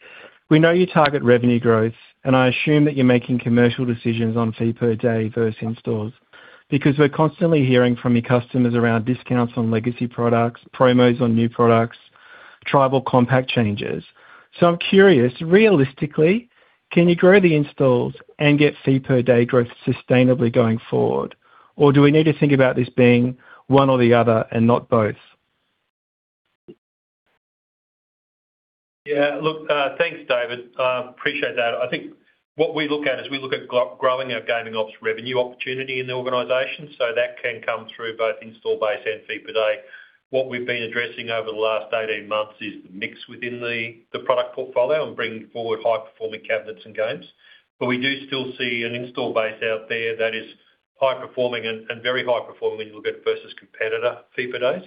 [SPEAKER 11] we know you target revenue growth, and I assume that you're making commercial decisions on fee per day versus installs. We're constantly hearing from your customers around discounts on legacy products, promos on new products, tribal compact changes. I'm curious, realistically, can you grow the installs and get fee per day growth sustainably going forward? Or do we need to think about this being one or the other and not both?
[SPEAKER 2] Yeah. Look, thanks, David. Appreciate that. I think what we look at is we look at growing our gaming ops revenue opportunity in the organization, so that can come through both install base and fee per day. What we've been addressing over the last 18 months is the mix within the product portfolio and bringing forward high-performing cabinets and games. We do still see an install base out there that is high-performing and very high-performing when you look at versus competitor fee per days.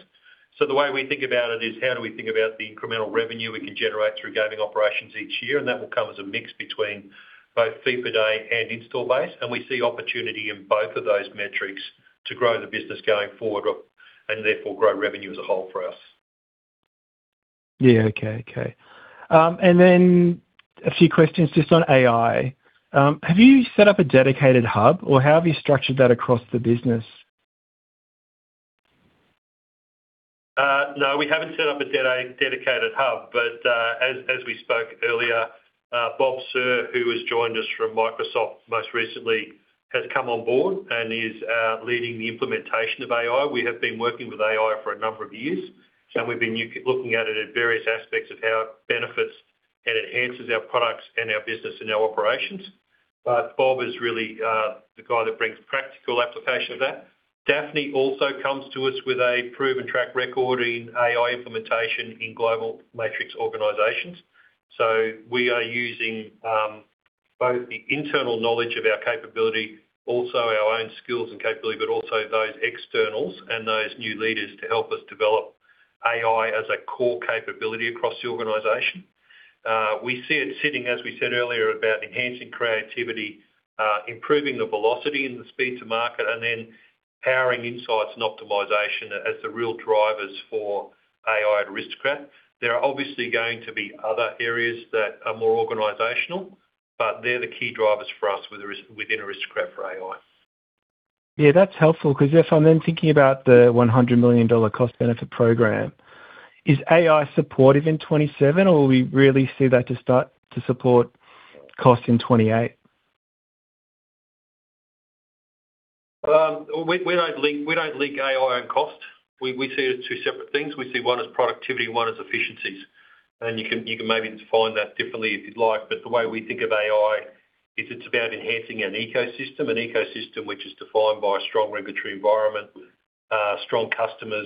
[SPEAKER 2] The way we think about it is how do we think about the incremental revenue we can generate through gaming operations each year, and that will come as a mix between both fee per day and install base. We see opportunity in both of those metrics to grow the business going forward, and therefore grow revenue as a whole for us.
[SPEAKER 11] Yeah. Okay, okay. A few questions just on AI. Have you set up a dedicated hub, or how have you structured that across the business?
[SPEAKER 2] No, we haven't set up a dedicated hub. As we spoke earlier, Bob Serr, who has joined us from Microsoft most recently, has come on board and is leading the implementation of AI. We have been working with AI for a number of years, so we've been looking at it at various aspects of how it benefits and enhances our products and our business and our operations. Bob is really the guy that brings practical application of that. Dafne also comes to us with a proven track record in AI implementation in global matrix organizations. We are using both the internal knowledge of our capability, also our own skills and capability, but also those externals and those new leaders to help us develop AI as a core capability across the organization. We see it sitting, as we said earlier, about enhancing creativity, improving the velocity and the speed to market, and then powering insights and optimization as the real drivers for AI at Aristocrat. There are obviously going to be other areas that are more organizational, but they're the key drivers for us within Aristocrat for AI.
[SPEAKER 11] Yeah, that's helpful. Because if I'm then thinking about the 100 million dollar cost benefit program, is AI supportive in 2027 or we really see that to start to support cost in 2028?
[SPEAKER 2] We don't link AI and cost. We see it as two separate things. We see one as productivity and one as efficiencies. You can maybe define that differently if you'd like, but the way we think of AI is it's about enhancing an ecosystem, an ecosystem which is defined by a strong regulatory environment, strong customers,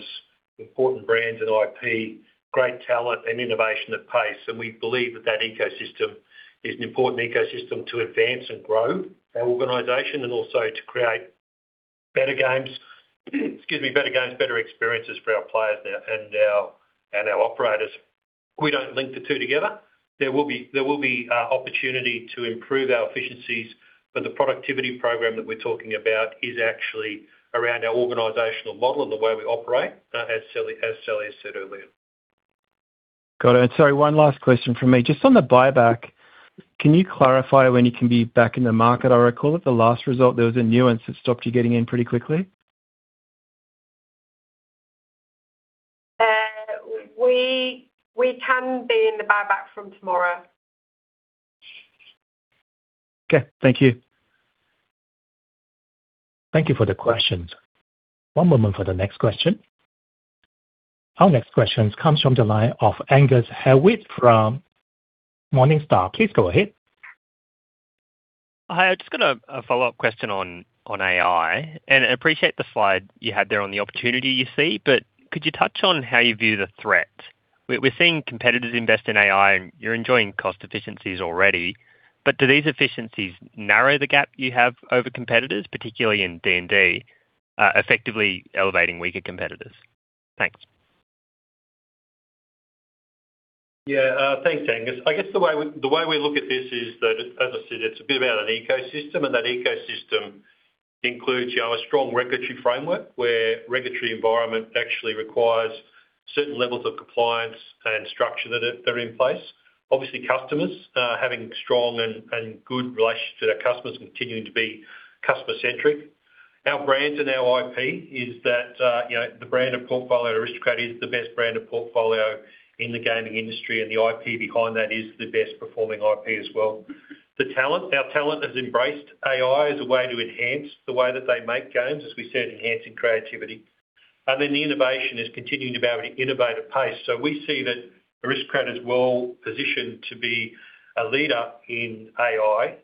[SPEAKER 2] important brands and IP, great talent and innovation at pace. We believe that ecosystem is an important ecosystem to advance and grow our organization and also to create better games, excuse me, better games, better experiences for our players now and our operators. We don't link the two together. There will be opportunity to improve our efficiencies, but the productivity program that we're talking about is actually around our organizational model and the way we operate, as Sally has said earlier.
[SPEAKER 11] Got it. Sorry, one last question from me. Just on the buyback, can you clarify when you can be back in the market? I recall at the last result, there was a nuance that stopped you getting in pretty quickly.
[SPEAKER 3] We can be in the buyback from tomorrow.
[SPEAKER 11] Okay. Thank you.
[SPEAKER 4] Thank you for the questions. One moment for the next question. Our next question comes from the line of Angus Hewitt from Morningstar. Please go ahead.
[SPEAKER 12] Hi, I've just got a follow-up question on AI. Appreciate the slide you had there on the opportunity you see, but could you touch on how you view the threat? We're seeing competitors invest in AI, and you're enjoying cost efficiencies already. Do these efficiencies narrow the gap you have over competitors, particularly in D&D, effectively elevating weaker competitors? Thanks.
[SPEAKER 2] Thanks, Angus. I guess the way we look at this is that, as I said, it's a bit about an ecosystem. That ecosystem includes, you know, a strong regulatory framework where regulatory environment actually requires certain levels of compliance and structure that are in place. Obviously, customers. Having strong and good relationships with our customers and continuing to be customer-centric. Our brands and our IP is that, you know, the brand and portfolio of Aristocrat is the best brand and portfolio in the gaming industry, and the IP behind that is the best performing IP as well. The talent. Our talent has embraced AI as a way to enhance the way that they make games, as we said, enhancing creativity. The innovation is continuing to be at an innovative pace. We see that Aristocrat is well-positioned to be a leader in AI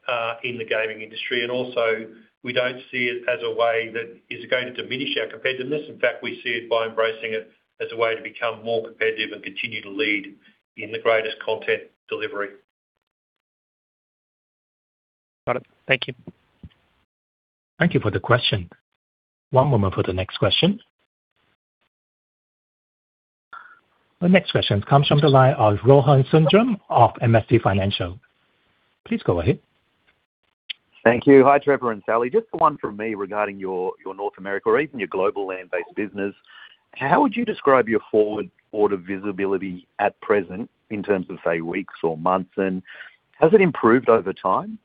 [SPEAKER 2] in the gaming industry. Also, we don't see it as a way that is going to diminish our competitiveness. In fact, we see it by embracing it as a way to become more competitive and continue to lead in the greatest content delivery.
[SPEAKER 12] Got it. Thank you.
[SPEAKER 4] Thank you for the question. One moment for the next question. The next question comes from the line of Rohan Sundram of MST Financial. Please go ahead.
[SPEAKER 13] Thank you. Hi, Trevor and Sally. Just the one from me regarding your North America or even your global land-based business. How would you describe your forward order visibility at present in terms of, say, weeks or months? Has it improved over time?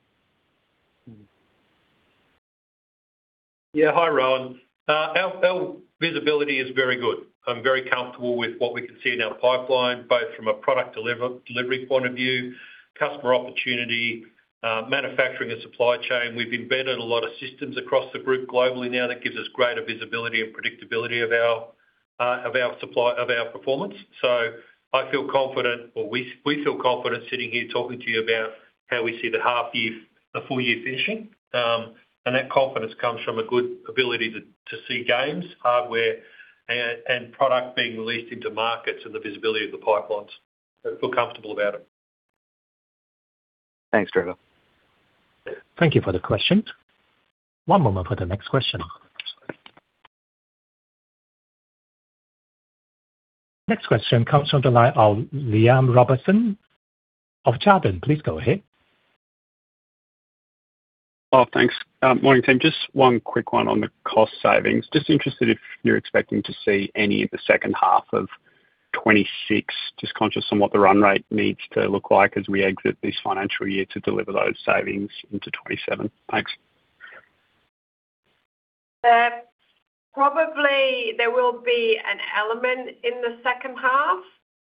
[SPEAKER 2] Hi, Rohan. Our visibility is very good. I'm very comfortable with what we can see in our pipeline, both from a product delivery point of view, customer opportunity, manufacturing and supply chain. We've embedded a lot of systems across the group globally now that gives us greater visibility and predictability of our performance. I feel confident or we feel confident sitting here talking to you about how we see the full year finishing. That confidence comes from a good ability to see games, hardware, and product being released into markets and the visibility of the pipelines. I feel comfortable about it.
[SPEAKER 13] Thanks, Trevor.
[SPEAKER 4] Thank you for the question. One moment for the next question. Next question comes from the line of Liam Robertson of Jarden. Please go ahead.
[SPEAKER 14] Thanks. Morning, team. Just 1 quick one on the cost savings. Just interested if you're expecting to see any in the second half of 2026. Just conscious on what the run rate needs to look like as we exit this financial year to deliver those savings into 2027. Thanks.
[SPEAKER 3] Probably there will be an element in the second half,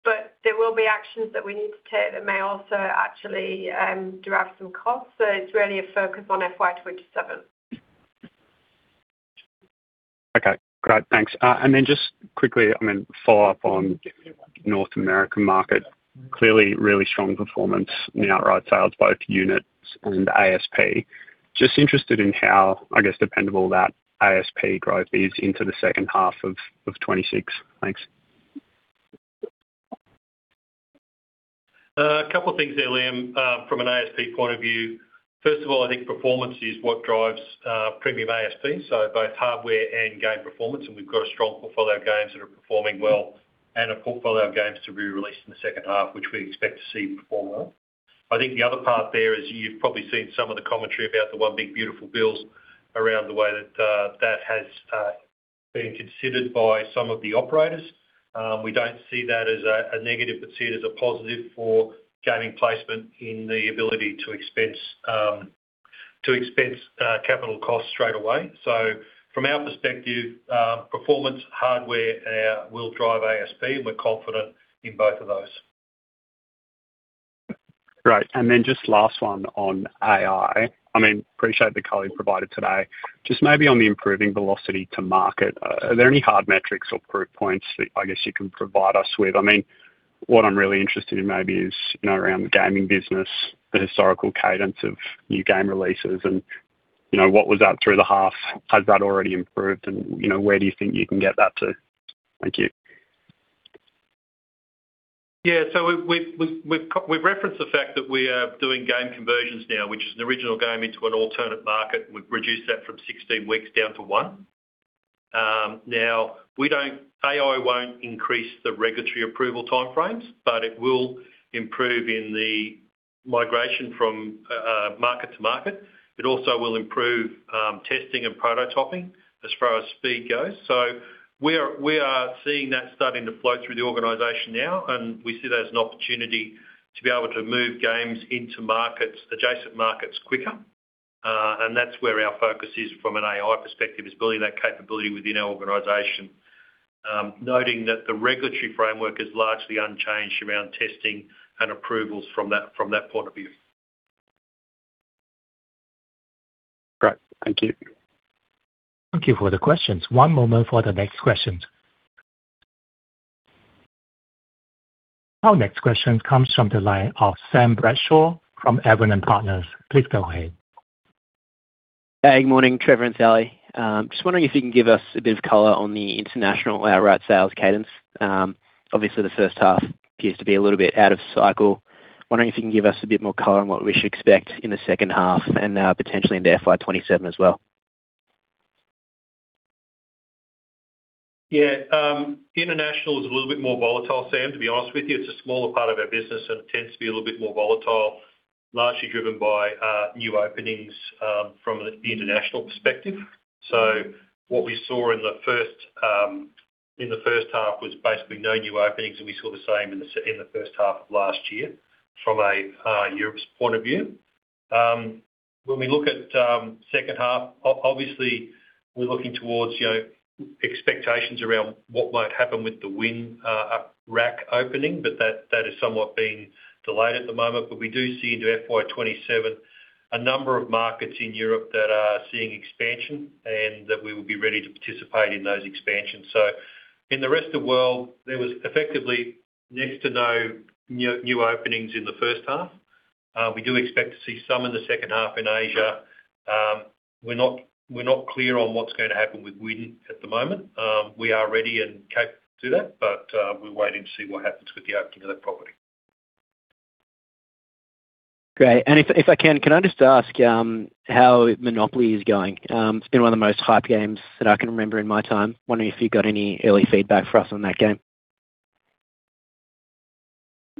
[SPEAKER 3] but there will be actions that we need to take that may also actually drive some costs. It's really a focus on FY 2027.
[SPEAKER 14] Okay, great. Thanks. Just quickly, I mean, follow up on North American market. Clearly really strong performance in the outright sales, both units and ASP. Just interested in how, I guess, dependable that ASP growth is into the second half of 2026. Thanks.
[SPEAKER 2] A couple of things there, Liam. From an ASP point of view, first of all, I think performance is what drives premium ASP, so both hardware and game performance, and we've got a strong portfolio of games that are performing well and a portfolio of games to be released in the second half, which we expect to see perform well. I think the other part there is you've probably seen some of the commentary about the One Big Beautiful Bill around the way that that has been considered by some of the operators. We don't see that as a negative, but see it as a positive for gaming placement in the ability to expense capital costs straight away. From our perspective, performance, hardware will drive ASP, and we're confident in both of those.
[SPEAKER 14] Great. Just last one on AI. I mean, appreciate the color you provided today. Just maybe on the improving velocity to market, are there any hard metrics or proof points that I guess you can provide us with? I mean, what I'm really interested in maybe is, you know, around the gaming business, the historical cadence of new game releases and, you know, what was that through the half? Has that already improved? You know, where do you think you can get that to? Thank you.
[SPEAKER 2] We've referenced the fact that we are doing game conversions now, which is an original game into an alternate market. We've reduced that from 16 weeks down to one. Now AI won't increase the regulatory approval time frames, but it will improve in the migration from market to market. It also will improve testing and prototyping as far as speed goes. We are seeing that starting to flow through the organization now, and we see that as an opportunity to be able to move games into markets, adjacent markets quicker. That's where our focus is from an AI perspective, is building that capability within our organization. Noting that the regulatory framework is largely unchanged around testing and approvals from that point of view.
[SPEAKER 14] Great. Thank you.
[SPEAKER 4] Thank you for the questions. One moment for the next questions. Our next question comes from the line of Sam Bradshaw from Evans and Partners. Please go ahead.
[SPEAKER 15] Hey, good morning, Trevor and Sally. Just wondering if you can give us a bit of color on the international outright sales cadence. Obviously the first half appears to be a little bit out of cycle. Wondering if you can give us a bit more color on what we should expect in the second half and potentially into FY 2027 as well.
[SPEAKER 2] International is a little bit more volatile, Sam, to be honest with you. It's a smaller part of our business and it tends to be a little bit more volatile, largely driven by new openings from an international perspective. What we saw in the first half was basically no new openings, and we saw the same in the first half of last year from a Europe's point of view. When we look at second half, obviously we're looking towards, you know, expectations around what might happen with the Wynn rack opening, but that is somewhat being delayed at the moment. We do see into FY 2027 a number of markets in Europe that are seeing expansion and that we will be ready to participate in those expansions. In the rest of world, there was effectively next to no new openings in the first half. We do expect to see some in the second half in Asia. We're not clear on what's going to happen with Wynn at the moment. We are ready and capable to do that, but we're waiting to see what happens with the opening of that property.
[SPEAKER 15] Great. If I can, I just ask, how MONOPOLY is going? It's been one of the most hyped games that I can remember in my time. Wondering if you've got any early feedback for us on that game?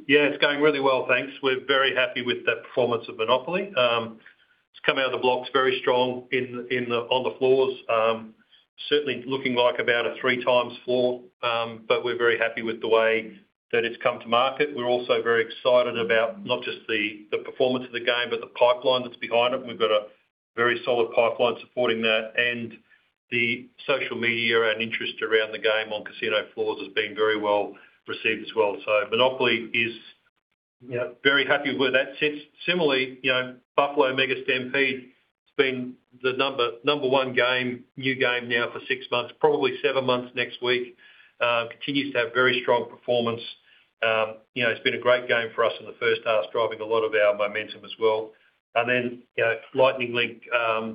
[SPEAKER 2] Yeah, it's going really well, thanks. We're very happy with the performance of Monopoly. It's come out of the blocks very strong on the floors. Certainly looking like about a three times floor. We're very happy with the way that it's come to market. We're also very excited about not just the performance of the game, but the pipeline that's behind it. We've got a very solid pipeline supporting that. The social media and interest around the game on casino floors has been very well received as well. Monopoly is, you know, very happy with where that sits. Similarly, you know, Buffalo Mega Stampede has been the number one game, new game now for six months, probably seven months next week. Continues to have very strong performance. You know, it's been a great game for us in the first half, driving a lot of our momentum as well. You know, Lightning Link,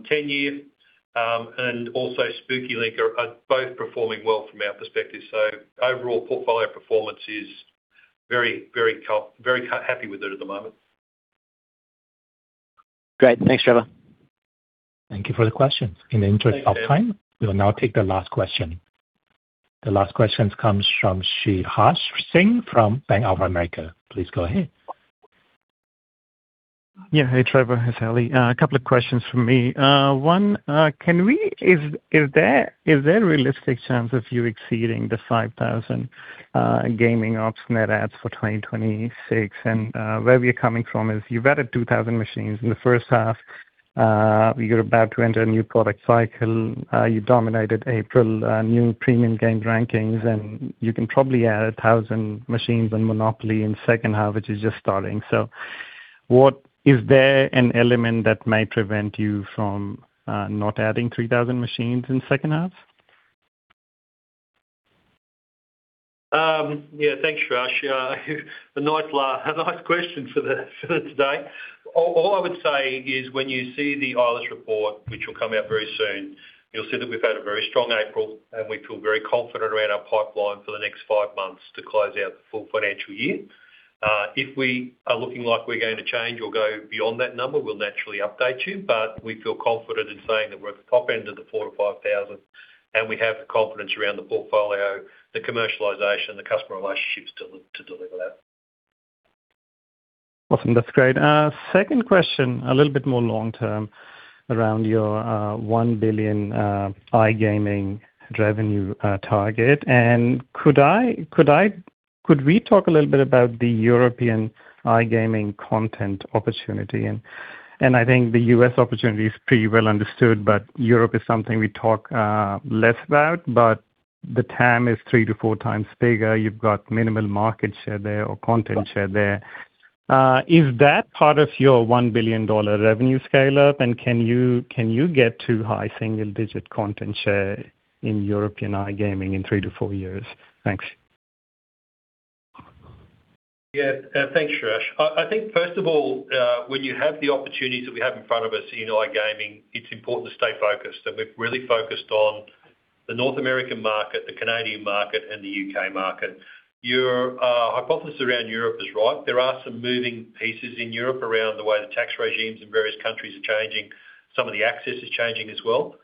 [SPEAKER 2] Ten Year, and also Spooky Link are both performing well from our perspective. Overall portfolio performance is very happy with it at the moment.
[SPEAKER 15] Great. Thanks, Trevor.
[SPEAKER 4] Thank you for the question.
[SPEAKER 2] Thanks, Sam.
[SPEAKER 4] We will now take the last question. The last question comes from Sriharsh Singh from Bank of America. Please go ahead.
[SPEAKER 16] Yeah. Hey, Trevor. Hi, Sally. A couple of questions from me. One, is there a realistic chance of you exceeding the 5,000 gaming ops net adds for 2026? Where we're coming from is you've added 2,000 machines in the first half. You're about to enter a new product cycle. You dominated April, new premium games rankings, and you can probably add 1,000 machines on Monopoly in second half, which is just starting. What is there an element that may prevent you from not adding 3,000 machines in second half?
[SPEAKER 2] Yeah, thanks, Sriharsh. A nice question for today. I would say is when you see the Eilers-Fantini report, which will come out very soon, you'll see that we've had a very strong April, and we feel very confident around our pipeline for the next five months to close out the full financial year. If we are looking like we're going to change or go beyond that number, we'll naturally update you. We feel confident in saying that we're at the top end of the 4,000-5,000, and we have the confidence around the portfolio, the commercialization, the customer relationships to deliver that.
[SPEAKER 16] Awesome. That's great. Second question, a little bit more long-term around your $1 billion iGaming revenue target. Could we talk a little bit about the European iGaming content opportunity? I think the U.S. opportunity is pretty well understood, but Europe is something we talk less about, but the TAM is three to four times bigger. You've got minimal market share there or content share there. Is that part of your $1 billion revenue scale-up? Can you get to high single-digit content share in European iGaming in three to four years? Thanks.
[SPEAKER 2] Thanks, Sriharsh. I think, first of all, when you have the opportunities that we have in front of us in iGaming, it's important to stay focused. We've really focused on the North American market, the Canadian market, and the U.K. market. Your hypothesis around Europe is right. There are some moving pieces in Europe around the way the tax regimes in various countries are changing. Some of the access is changing as well.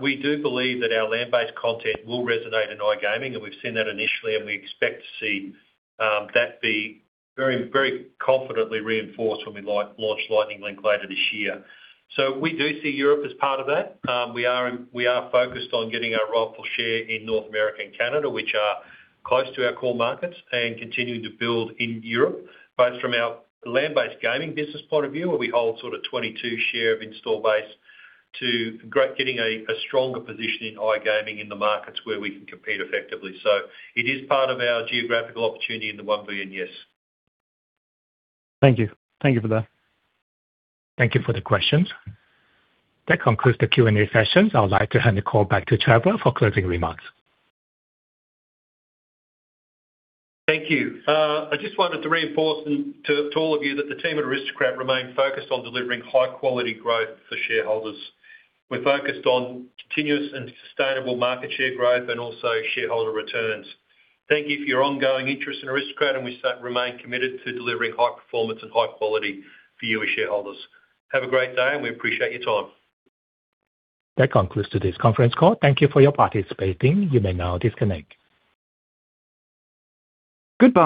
[SPEAKER 2] We do believe that our land-based content will resonate in iGaming, and we've seen that initially, and we expect to see that be very, very confidently reinforced when we launch Lightning Link later this year. We do see Europe as part of that. We are focused on getting our rightful share in North America and Canada, which are close to our core markets, and continuing to build in Europe, both from our land-based gaming business point of view, where we hold sort of 22 share of install base, getting a stronger position in iGaming in the markets where we can compete effectively. It is part of our geographical opportunity in the $1 billion, yes.
[SPEAKER 16] Thank you. Thank you for that.
[SPEAKER 4] Thank you for the questions. That concludes the Q&A session. I would like to hand the call back to Trevor for closing remarks.
[SPEAKER 2] Thank you. I just wanted to reinforce to all of you that the team at Aristocrat remain focused on delivering high-quality growth for shareholders. We're focused on continuous and sustainable market share growth and also shareholder returns. Thank you for your ongoing interest in Aristocrat. We remain committed to delivering high performance and high quality for you as shareholders. Have a great day. We appreciate your time.
[SPEAKER 4] That concludes today's conference call. Thank you for your participating. You may now disconnect. Goodbye.